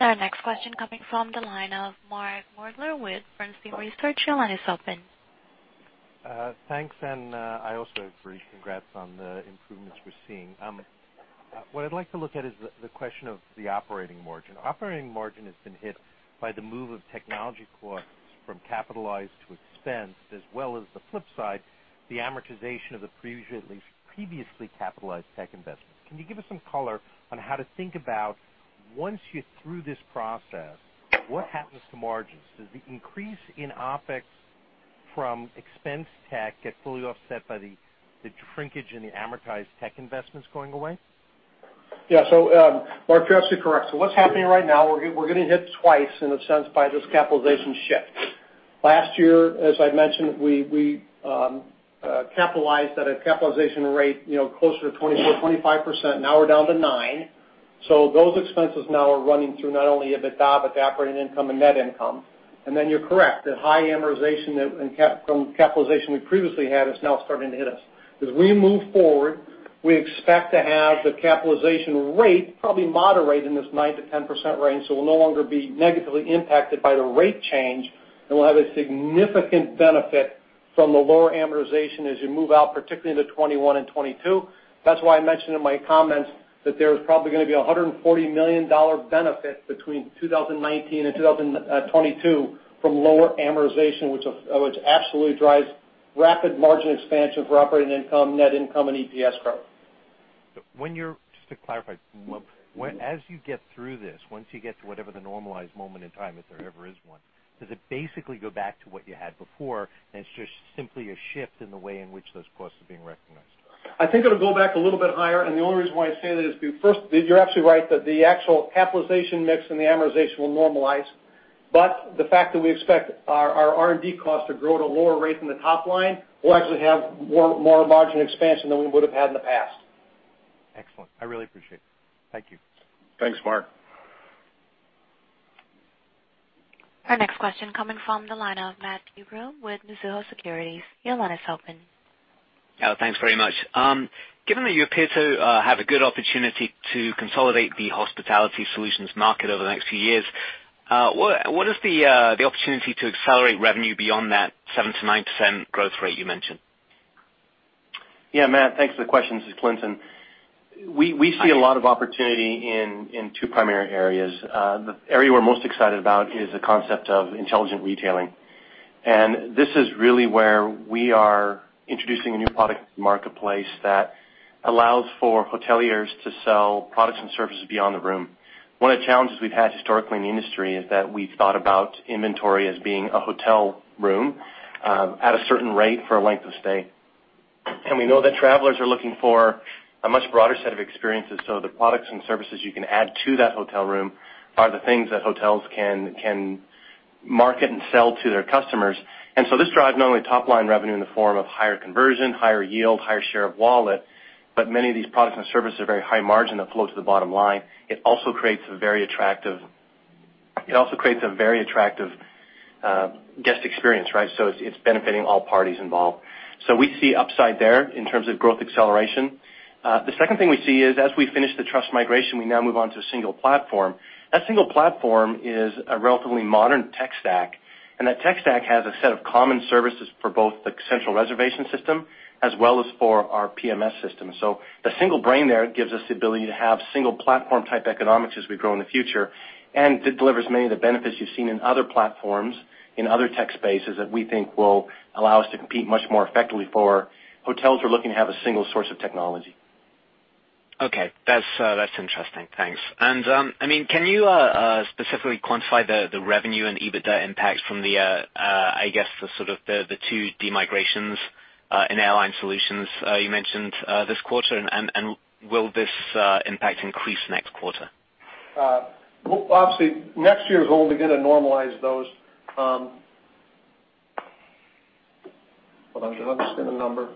Our next question coming from the line of Mark Moerdler with Bernstein Research. Your line is open. Thanks. I also have brief congrats on the improvements we're seeing. What I'd like to look at is the question of the operating margin. Operating margin has been hit by the move of technology costs from capitalized to expensed, as well as the flip side, the amortization of the previously capitalized tech investments. Can you give us some color on how to think about once you're through this process, what happens to margins? Does the increase in OpEx from expense tech get fully offset by the shrinkage in the amortized tech investments going away? Yeah. Mark, you're absolutely correct. What's happening right now, we're getting hit twice in a sense by this capitalization shift. Last year, as I mentioned, we capitalized at a capitalization rate closer to 24%-25%. Now we're down to 9%. Those expenses now are running through not only EBITDA, but the operating income and net income. You're correct, the high amortization from capitalization we previously had is now starting to hit us. As we move forward, we expect to have the capitalization rate probably moderate in this 9%-10% range, so we'll no longer be negatively impacted by the rate change, and we'll have a significant benefit from the lower amortization as you move out, particularly into 2021 and 2022. That's why I mentioned in my comments that there's probably going to be a $140 million benefit between 2019 and 2022 from lower amortization, which absolutely drives rapid margin expansion for operating income, net income, and EPS growth. Just to clarify, as you get through this, once you get to whatever the normalized moment in time, if there ever is one, does it basically go back to what you had before and it's just simply a shift in the way in which those costs are being recognized? I think it'll go back a little bit higher, and the only reason why I say that is first, you're absolutely right that the actual capitalization mix and the amortization will normalize, but the fact that we expect our R&D costs to grow at a lower rate than the top line will actually have more margin expansion than we would have had in the past. Excellent. I really appreciate it. Thank you. Thanks, Mark. Our next question coming from the line of Matthew Bloom with Mizuho Securities. Your line is open. Yeah, thanks very much. Given that you appear to have a good opportunity to consolidate the Hospitality Solutions market over the next few years, what is the opportunity to accelerate revenue beyond that 7%-9% growth rate you mentioned? Yeah, Matt, thanks for the question. This is Clinton. We see a lot of opportunity in two primary areas. The area we're most excited about is the concept of intelligent retailing. This is really where we are introducing a new product marketplace that allows for hoteliers to sell products and services beyond the room. One of the challenges we've had historically in the industry is that we've thought about inventory as being a hotel room, at a certain rate for a length of stay. We know that travelers are looking for a much broader set of experiences, so the products and services you can add to that hotel room are the things that hotels can market and sell to their customers. This drives not only top-line revenue in the form of higher conversion, higher yield, higher share of wallet, but many of these products and services are very high margin that flow to the bottom line. It also creates a very attractive guest experience, right? It's benefiting all parties involved. We see upside there in terms of growth acceleration. The second thing we see is as we finish the trust migration, we now move on to a single platform. That single platform is a relatively modern tech stack, and that tech stack has a set of common services for both the central reservation system as well as for our PMS system. The single brain there gives us the ability to have single platform type economics as we grow in the future, and it delivers many of the benefits you've seen in other platforms, in other tech spaces that we think will allow us to compete much more effectively for hotels who are looking to have a single source of technology. Okay. That's interesting. Thanks. Can you specifically quantify the revenue and EBITDA impact from the two de-migrations in Airline Solutions you mentioned this quarter, and will this impact increase next quarter? Well, obviously, next year we're only going to normalize those. Hold on. I'm just going to spin a number.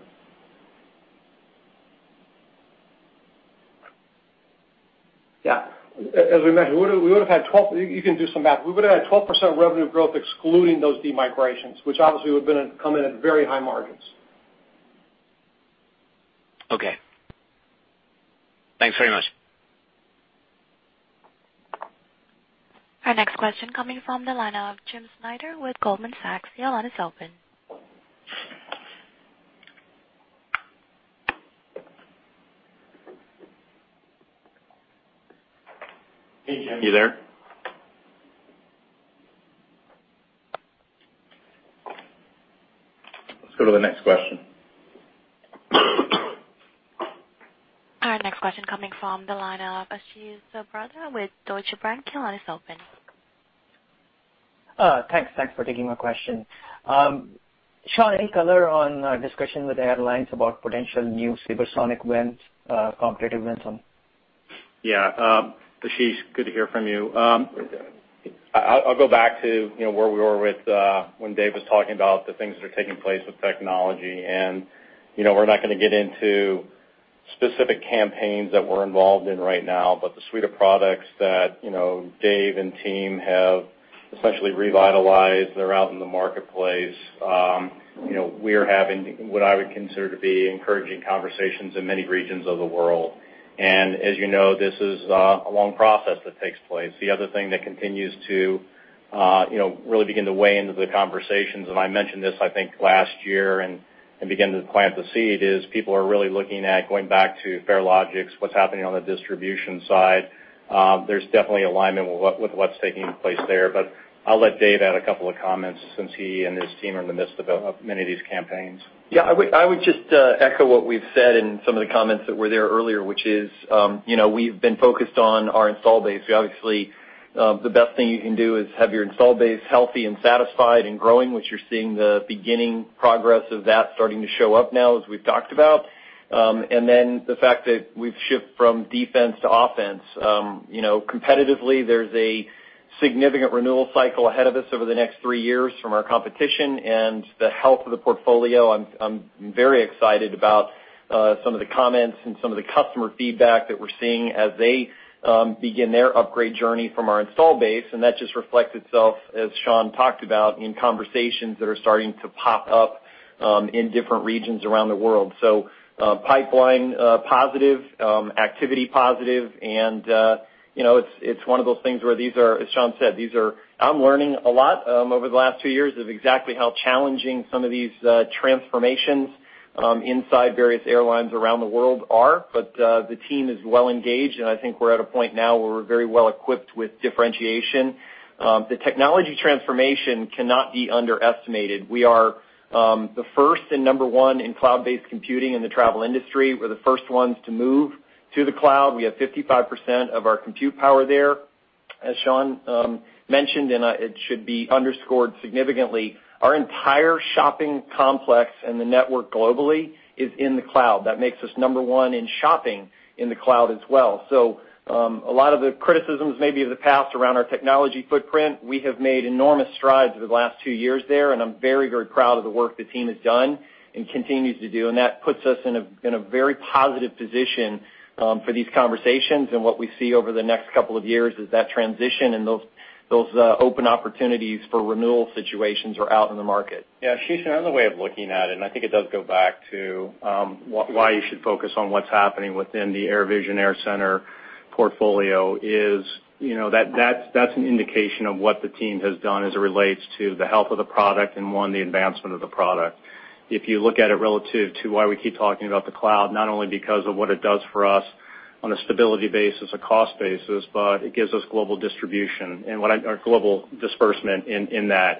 Yeah. As we mentioned, you can do some math. We would've had 12% revenue growth excluding those de-migrations, which obviously would come in at very high margins. Okay. Thanks very much. Our next question coming from the line of James Snyder with Goldman Sachs. Your line is open. Hey, Jim. You there? Let's go to the next question. Our next question coming from the line of Ashish Sabadra with Deutsche Bank. Your line is open. Thanks for taking my question. Sean, any color on discussion with the airlines about potential new SabreSonic wins, competitive wins on? Yeah. Ashish, good to hear from you. I'll go back to where we were with when Dave was talking about the things that are taking place with technology, and we're not going to get into specific campaigns that we're involved in right now, but the suite of products that Dave and team have essentially revitalized, they're out in the marketplace. As you know, this is a long process that takes place. The other thing that continues to really begin to weigh into the conversations, and I mentioned this, I think, last year and begin to plant the seed, is people are really looking at going back to Farelogix, what's happening on the distribution side. There's definitely alignment with what's taking place there, but I'll let Dave add a couple of comments since he and his team are in the midst of many of these campaigns. I would just echo what we've said in some of the comments that were there earlier, which is, we've been focused on our install base. Obviously, the best thing you can do is have your install base healthy and satisfied and growing, which you're seeing the beginning progress of that starting to show up now as we've talked about. The fact that we've shipped from defense to offense. Competitively, there's a significant renewal cycle ahead of us over the next three years from our competition and the health of the portfolio. I'm very excited about some of the comments and some of the customer feedback that we're seeing as they begin their upgrade journey from our install base, and that just reflects itself, as Sean talked about, in conversations that are starting to pop up in different regions around the world. Pipeline positive, activity positive, and it's one of those things where these are, as Sean said, I'm learning a lot over the last two years of exactly how challenging some of these transformations inside various airlines around the world are. The team is well engaged, and I think we're at a point now where we're very well equipped with differentiation. The technology transformation cannot be underestimated. We are the first and number one in cloud-based computing in the travel industry. We're the first ones to move to the cloud. We have 55% of our compute power there. As Sean mentioned, and it should be underscored significantly, our entire shopping complex and the network globally is in the cloud. That makes us number one in shopping in the cloud as well. A lot of the criticisms maybe of the past around our technology footprint, we have made enormous strides over the last two years there, I'm very proud of the work the team has done and continues to do, and that puts us in a very positive position for these conversations. What we see over the next couple of years is that transition and those Those open opportunities for renewal situations are out in the market. Yeah, Ashish, another way of looking at it, I think it does go back to why you should focus on what's happening within the AirVision, AirCenter portfolio, is that's an indication of what the team has done as it relates to the health of the product, one, the advancement of the product. If you look at it relative to why we keep talking about the cloud, not only because of what it does for us on a stability basis, a cost basis, but it gives us global distribution and global disbursement in that.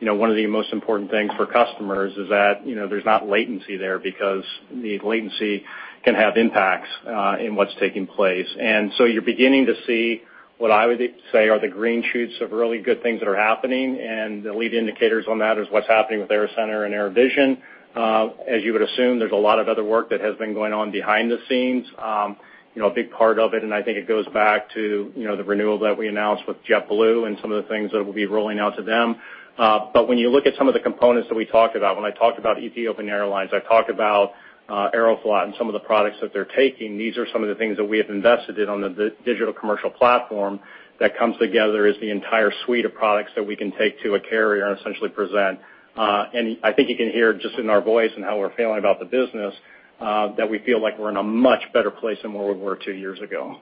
One of the most important things for customers is that there's not latency there, because the latency can have impacts in what's taking place. You're beginning to see what I would say are the green shoots of really good things that are happening, and the lead indicators on that is what's happening with AirCentre and AirVision. As you would assume, there's a lot of other work that has been going on behind the scenes. A big part of it, and I think it goes back to the renewal that we announced with JetBlue and some of the things that we'll be rolling out to them. When you look at some of the components that we talked about, when I talked about Etiophian Airlines, I talked about Aeroflot and some of the products that they're taking. These are some of the things that we have invested in on the digital Commercial Platform that comes together as the entire suite of products that we can take to a carrier and essentially present. I think you can hear just in our voice and how we're feeling about the business, that we feel like we're in a much better place than where we were two years ago.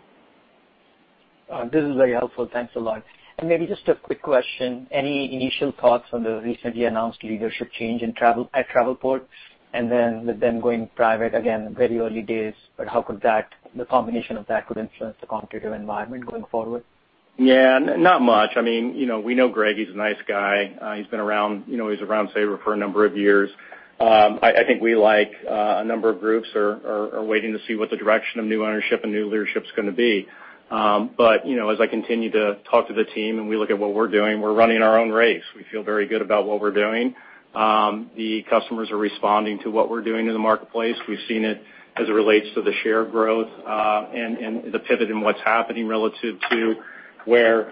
This is very helpful. Thanks a lot. Maybe just a quick question? Any initial thoughts on the recently announced leadership change at Travelport? With them going private, again, very early days, but how could the combination of that could influence the competitive environment going forward? Yeah. Not much. We know Greg. He's a nice guy. He's been around Sabre for a number of years. I think we, like a number of groups, are waiting to see what the direction of new ownership and new leadership's going to be. As I continue to talk to the team and we look at what we're doing, we're running our own race. We feel very good about what we're doing. The customers are responding to what we're doing in the marketplace. We've seen it as it relates to the share growth, and the pivot in what's happening relative to where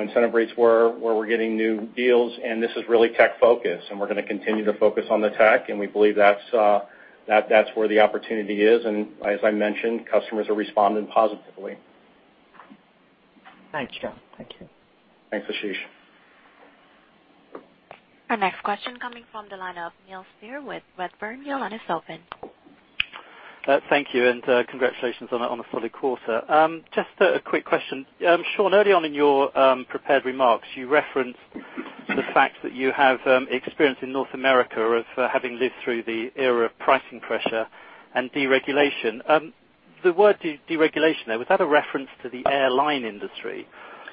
incentive rates were, where we're getting new deals, and this is really tech-focused. We're going to continue to focus on the tech, and we believe that's where the opportunity is. As I mentioned, customers are responding positively. Thanks, John. Thank you. Thanks, Ashish. Our next question coming from the line of Neil Steer with Redburn. Neil, the line is open. Thank you. Congratulations on a solid quarter. Just a quick question. Sean, early on in your prepared remarks, you referenced the fact that you have experience in North America of having lived through the era of pricing pressure and deregulation. The word deregulation there, was that a reference to the airline industry?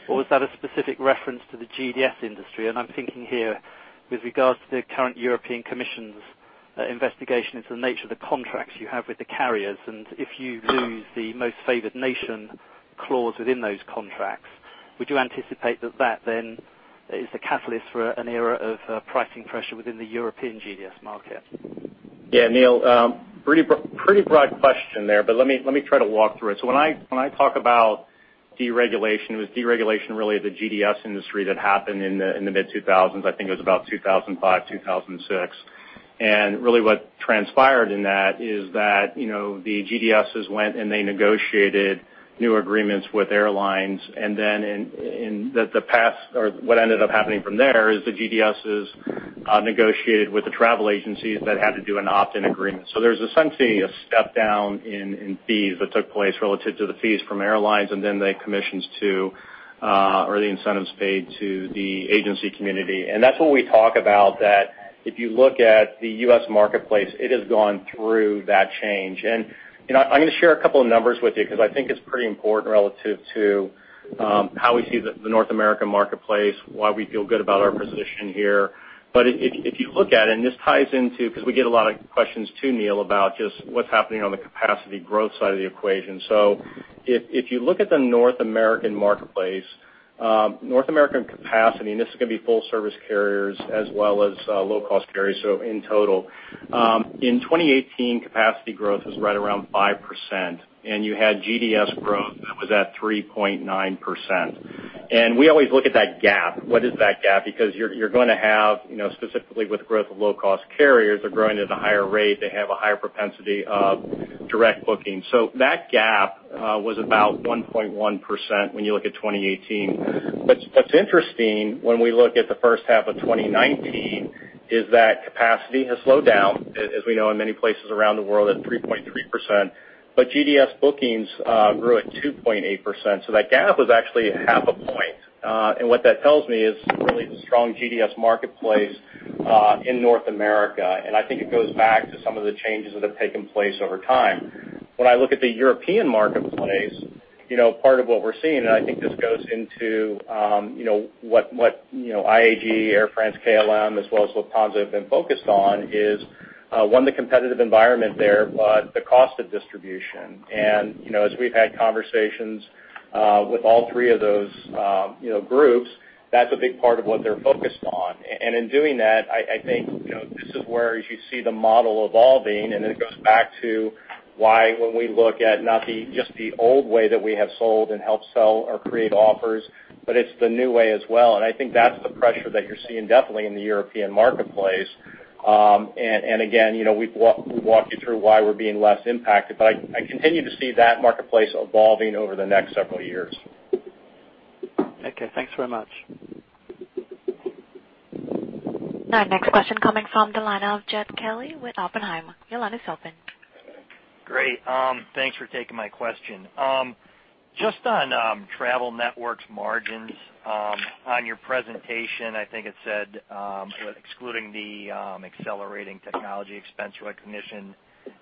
Or was that a specific reference to the GDS industry? I'm thinking here with regards to the current European Commission's investigation into the nature of the contracts you have with the carriers. If you lose the Most-Favored-Nation clause within those contracts, would you anticipate that that then is the catalyst for an era of pricing pressure within the European GDS market? Yeah, Neil, pretty broad question there, but let me try to walk through it. When I talk about deregulation, it was deregulation really of the GDS industry that happened in the mid-2000s. I think it was about 2005, 2006. Really what transpired in that is that the GDSs went and they negotiated new agreements with airlines. What ended up happening from there is the GDSs negotiated with the travel agencies that had to do an opt-in agreement. There was essentially a step-down in fees that took place relative to the fees from airlines, and then the commissions to, or the incentives paid to the agency community. That's what we talk about, that if you look at the U.S. marketplace, it has gone through that change. I'm going to share a couple of numbers with you because I think it's pretty important relative to how we see the North American marketplace, why we feel good about our position here. If you look at it, and this ties into, because we get a lot of questions, too, Neil, about just what's happening on the capacity growth side of the equation. If you look at the North American marketplace, North American capacity, and this is going to be full-service carriers as well as low-cost carriers, so in total. In 2018, capacity growth was right around 5%, and you had GDS growth that was at 3.9%. We always look at that gap. What is that gap? You're going to have, specifically with growth of low-cost carriers are growing at a higher rate. They have a higher propensity of direct booking. That gap was about 1.1% when you look at 2018. What's interesting when we look at the first half of 2019 is that capacity has slowed down, as we know in many places around the world, at 3.3%, but GDS bookings grew at 2.8%. That gap was actually half a point. What that tells me is really the strong GDS marketplace in North America, and I think it goes back to some of the changes that have taken place over time. When I look at the European marketplace, part of what we're seeing, and I think this goes into what IAG, Air France, KLM, as well as Lufthansa have been focused on is, one, the competitive environment there, but the cost of distribution. As we've had conversations with all three of those groups, that's a big part of what they're focused on. In doing that, I think this is where you see the model evolving, and it goes back to why when we look at not just the old way that we have sold and helped sell or create offers, but it's the new way as well. I think that's the pressure that you're seeing definitely in the European marketplace. Again, we've walked you through why we're being less impacted, but I continue to see that marketplace evolving over the next several years. Okay. Thanks very much. Our next question coming from the line of Jed Kelly with Oppenheimer. Your line is open. Great. Thanks for taking my question. Just on Travel Network's margins, on your presentation, I think it said, excluding the accelerating technology expense recognition,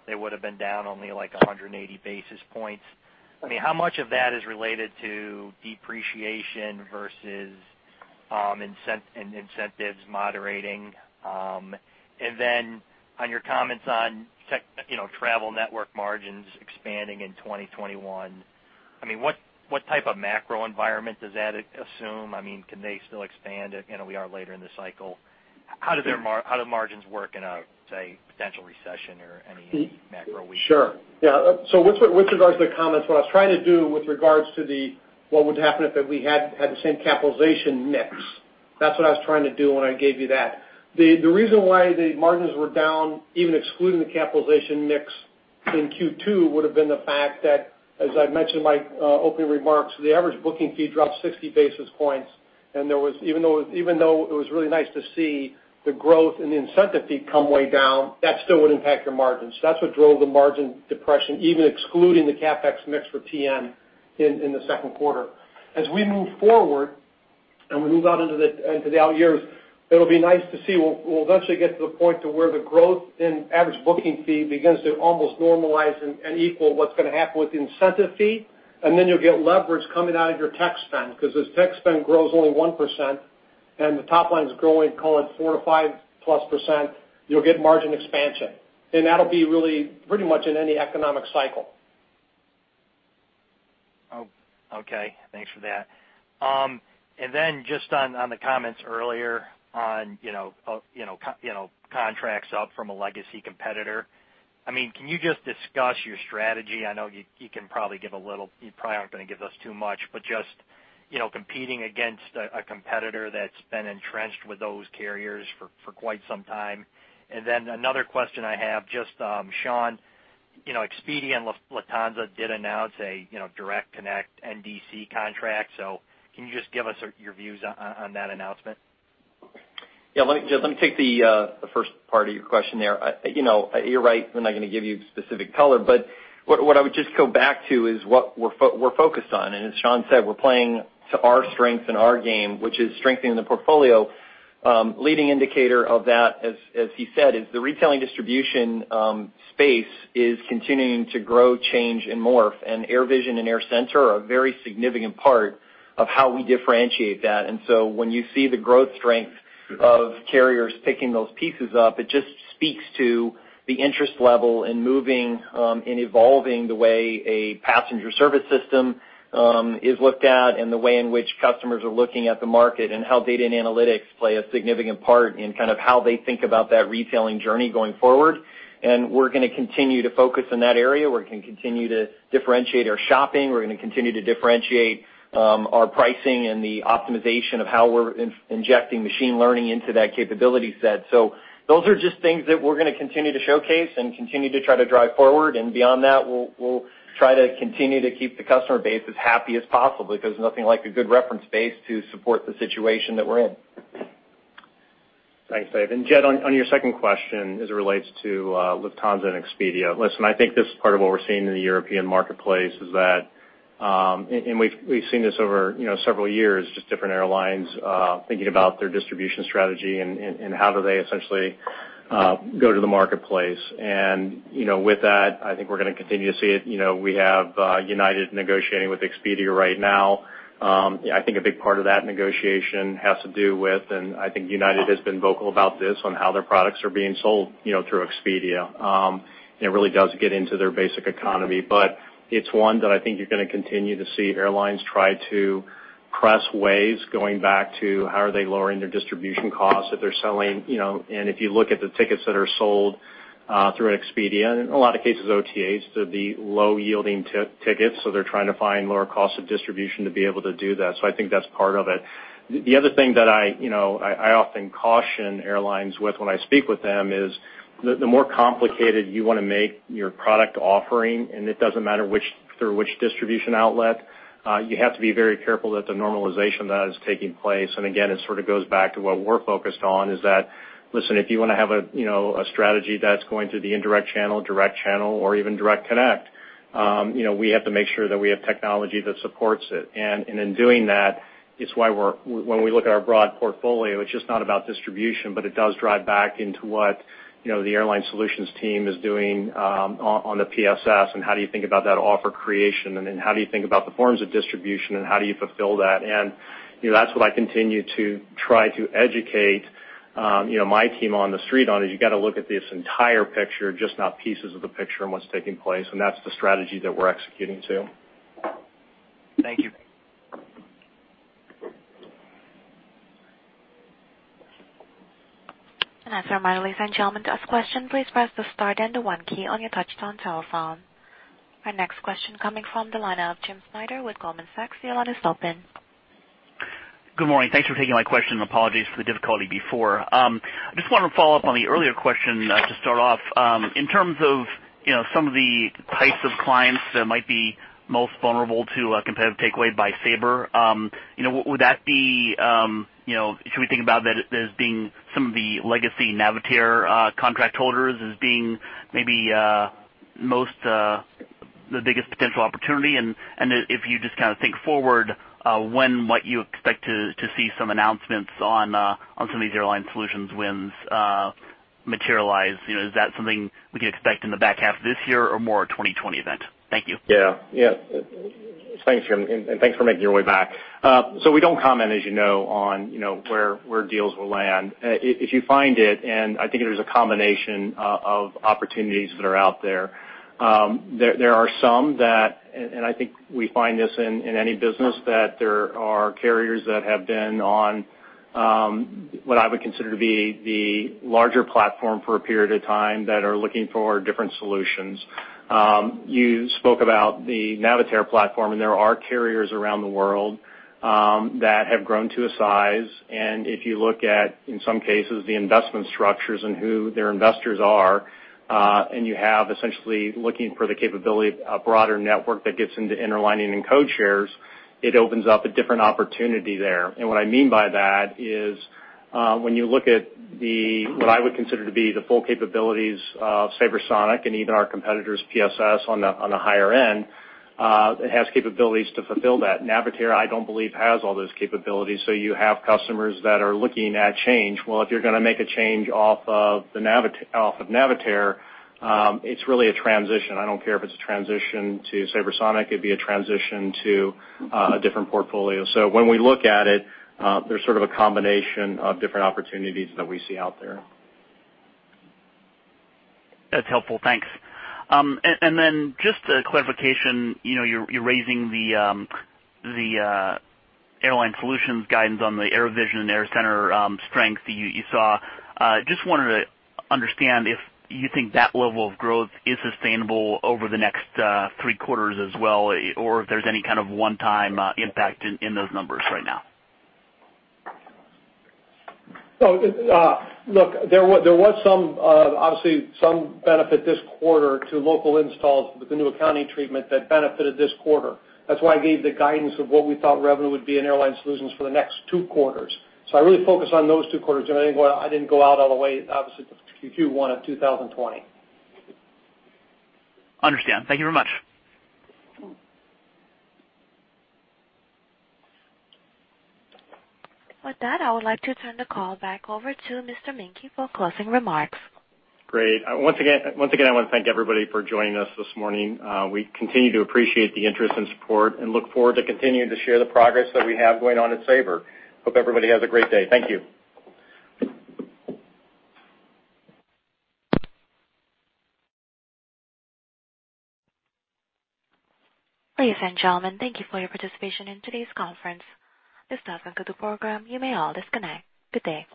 they would've been down only like 180 basis points. How much of that is related to depreciation versus incentives moderating? On your comments on Travel Network margins expanding in 2021, what type of macro environment does that assume? Can they still expand? We are later in the cycle. How do margins work in a, say, potential recession or any macro weakness? Sure. Yeah. With regards to the comments, what I was trying to do with regards to what would happen if we had the same capitalization mix. That's what I was trying to do when I gave you that. The reason why the margins were down, even excluding the capitalization mix in Q2, would've been the fact that, as I mentioned in my opening remarks, the average booking fee dropped 60 basis points, and even though it was really nice to see the growth in the incentive fee come way down, that still would impact your margins. That's what drove the margin depression, even excluding the CapEx mix for TN in the second quarter. As we move forward, and we move out into the out years, it'll be nice to see. We'll eventually get to the point to where the growth in average booking fee begins to almost normalize and equal what's going to happen with the incentive fee, then you'll get leverage coming out of your tech spend because as tech spend grows only 1% and the top line's growing, call it, 4% to 5-plus %, you'll get margin expansion. That'll be really pretty much in any economic cycle. Okay. Thanks for that. Just on the comments earlier on contracts up from a legacy competitor, can you just discuss your strategy? I know you probably aren't going to give us too much, just competing against a competitor that's been entrenched with those carriers for quite some time. Another question I have, just, Sean, Expedia and Lufthansa did announce a direct connect NDC contract, can you just give us your views on that announcement? Yeah, Jed, let me take the first part of your question there. You're right, we're not going to give you specific color, but what I would just go back to is what we're focused on. As Sean said, we're playing to our strength and our game, which is strengthening the portfolio. Leading indicator of that, as he said, is the retailing distribution space is continuing to grow, change, and morph, and AirVision and AirCentre are a very significant part of how we differentiate that. When you see the growth strength of carriers picking those pieces up, it just speaks to the interest level in moving and evolving the way a passenger service system is looked at, and the way in which customers are looking at the market, and how data and analytics play a significant part in how they think about that retailing journey going forward. We're going to continue to focus in that area. We're going to continue to differentiate our shopping. We're going to continue to differentiate our pricing and the optimization of how we're injecting machine learning into that capability set. Those are just things that we're going to continue to showcase and continue to try to drive forward. Beyond that, we'll try to continue to keep the customer base as happy as possible because there's nothing like a good reference base to support the situation that we're in. Thanks, Dave. Jed, on your second question as it relates to Lufthansa and Expedia, listen, I think this is part of what we're seeing in the European marketplace is that, we've seen this over several years, just different airlines thinking about their distribution strategy and how do they essentially go to the marketplace. With that, I think we're going to continue to see it. We have United negotiating with Expedia right now. I think a big part of that negotiation has to do with, I think United has been vocal about this, on how their products are being sold through Expedia. It really does get into their basic economy. It's one that I think you're going to continue to see airlines try to press ways going back to how are they lowering their distribution costs if they're selling, and if you look at the tickets that are sold through Expedia, and in a lot of cases, OTAs, they're the low-yielding tickets, so they're trying to find lower costs of distribution to be able to do that. I think that's part of it. The other thing that I often caution airlines with when I speak with them is the more complicated you want to make your product offering, and it doesn't matter through which distribution outlet, you have to be very careful that the normalization of that is taking place. Again, it sort of goes back to what we're focused on is that, listen, if you want to have a strategy that's going through the indirect channel, direct channel, or even direct connect, we have to make sure that we have technology that supports it. In doing that, it's why when we look at our broad portfolio, it's just not about distribution, but it does drive back into what the Airline Solutions team is doing on the PSS and how do you think about that offer creation, and then how do you think about the forms of distribution and how do you fulfill that? That's what I continue to try to educate my team on the street on, is you got to look at this entire picture, just not pieces of the picture and what's taking place, and that's the strategy that we're executing to. Thank you. As a reminder, ladies and gentlemen, to ask questions, please press the star then the one key on your touch-tone telephone. Our next question coming from the line of James Snyder with Goldman Sachs. Your line is open. Good morning. Thanks for taking my question, and apologies for the difficulty before. I just want to follow up on the earlier question to start off. In terms of some of the types of clients that might be most vulnerable to a competitive takeaway by Sabre, should we think about that as being some of the legacy Navitaire contract holders as being maybe the biggest potential opportunity? If you just kind of think forward, when might you expect to see some announcements on some of these Sabre Airline Solutions wins materialize? Is that something we can expect in the back half of this year or more a 2020 event? Thank you. Yeah. Thanks, and thanks for making your way back. We don't comment, as you know, on where deals will land. If you find it, and I think there's a combination of opportunities that are out there. There are some that, and I think we find this in any business, that there are carriers that have been on what I would consider to be the larger platform for a period of time that are looking for different solutions. You spoke about the Navitaire platform, and there are carriers around the world that have grown to a size. If you look at, in some cases, the investment structures and who their investors are, and you have essentially looking for the capability of a broader network that gets into interlining and code shares, it opens up a different opportunity there. What I mean by that is, when you look at what I would consider to be the full capabilities of SabreSonic and even our competitor's PSS on the higher end, it has capabilities to fulfill that. Navitaire, I don't believe, has all those capabilities. You have customers that are looking at change. Well, if you're going to make a change off of Navitaire, it's really a transition. I don't care if it's a transition to SabreSonic, it'd be a transition to a different portfolio. When we look at it, there's sort of a combination of different opportunities that we see out there. That's helpful. Thanks. Then just a clarification, you're raising the Airline Solutions guidance on the AirVision and AirCentre strength that you saw. Wanted to understand if you think that level of growth is sustainable over the next three quarters as well, or if there's any kind of one-time impact in those numbers right now. There was obviously some benefit this quarter to local installs with the new accounting treatment that benefited this quarter. That's why I gave the guidance of what we thought revenue would be in Airline Solutions for the next two quarters. I really focus on those two quarters, and I didn't go out all the way, obviously, to Q1 of 2020. Understand. Thank you very much. With that, I would like to turn the call back over to Mr. Menke for closing remarks. Great. Once again, I want to thank everybody for joining us this morning. We continue to appreciate the interest and support and look forward to continuing to share the progress that we have going on at Sabre. Hope everybody has a great day. Thank you. Ladies and gentlemen, thank you for your participation in today's conference. This does conclude the program. You may all disconnect. Good day.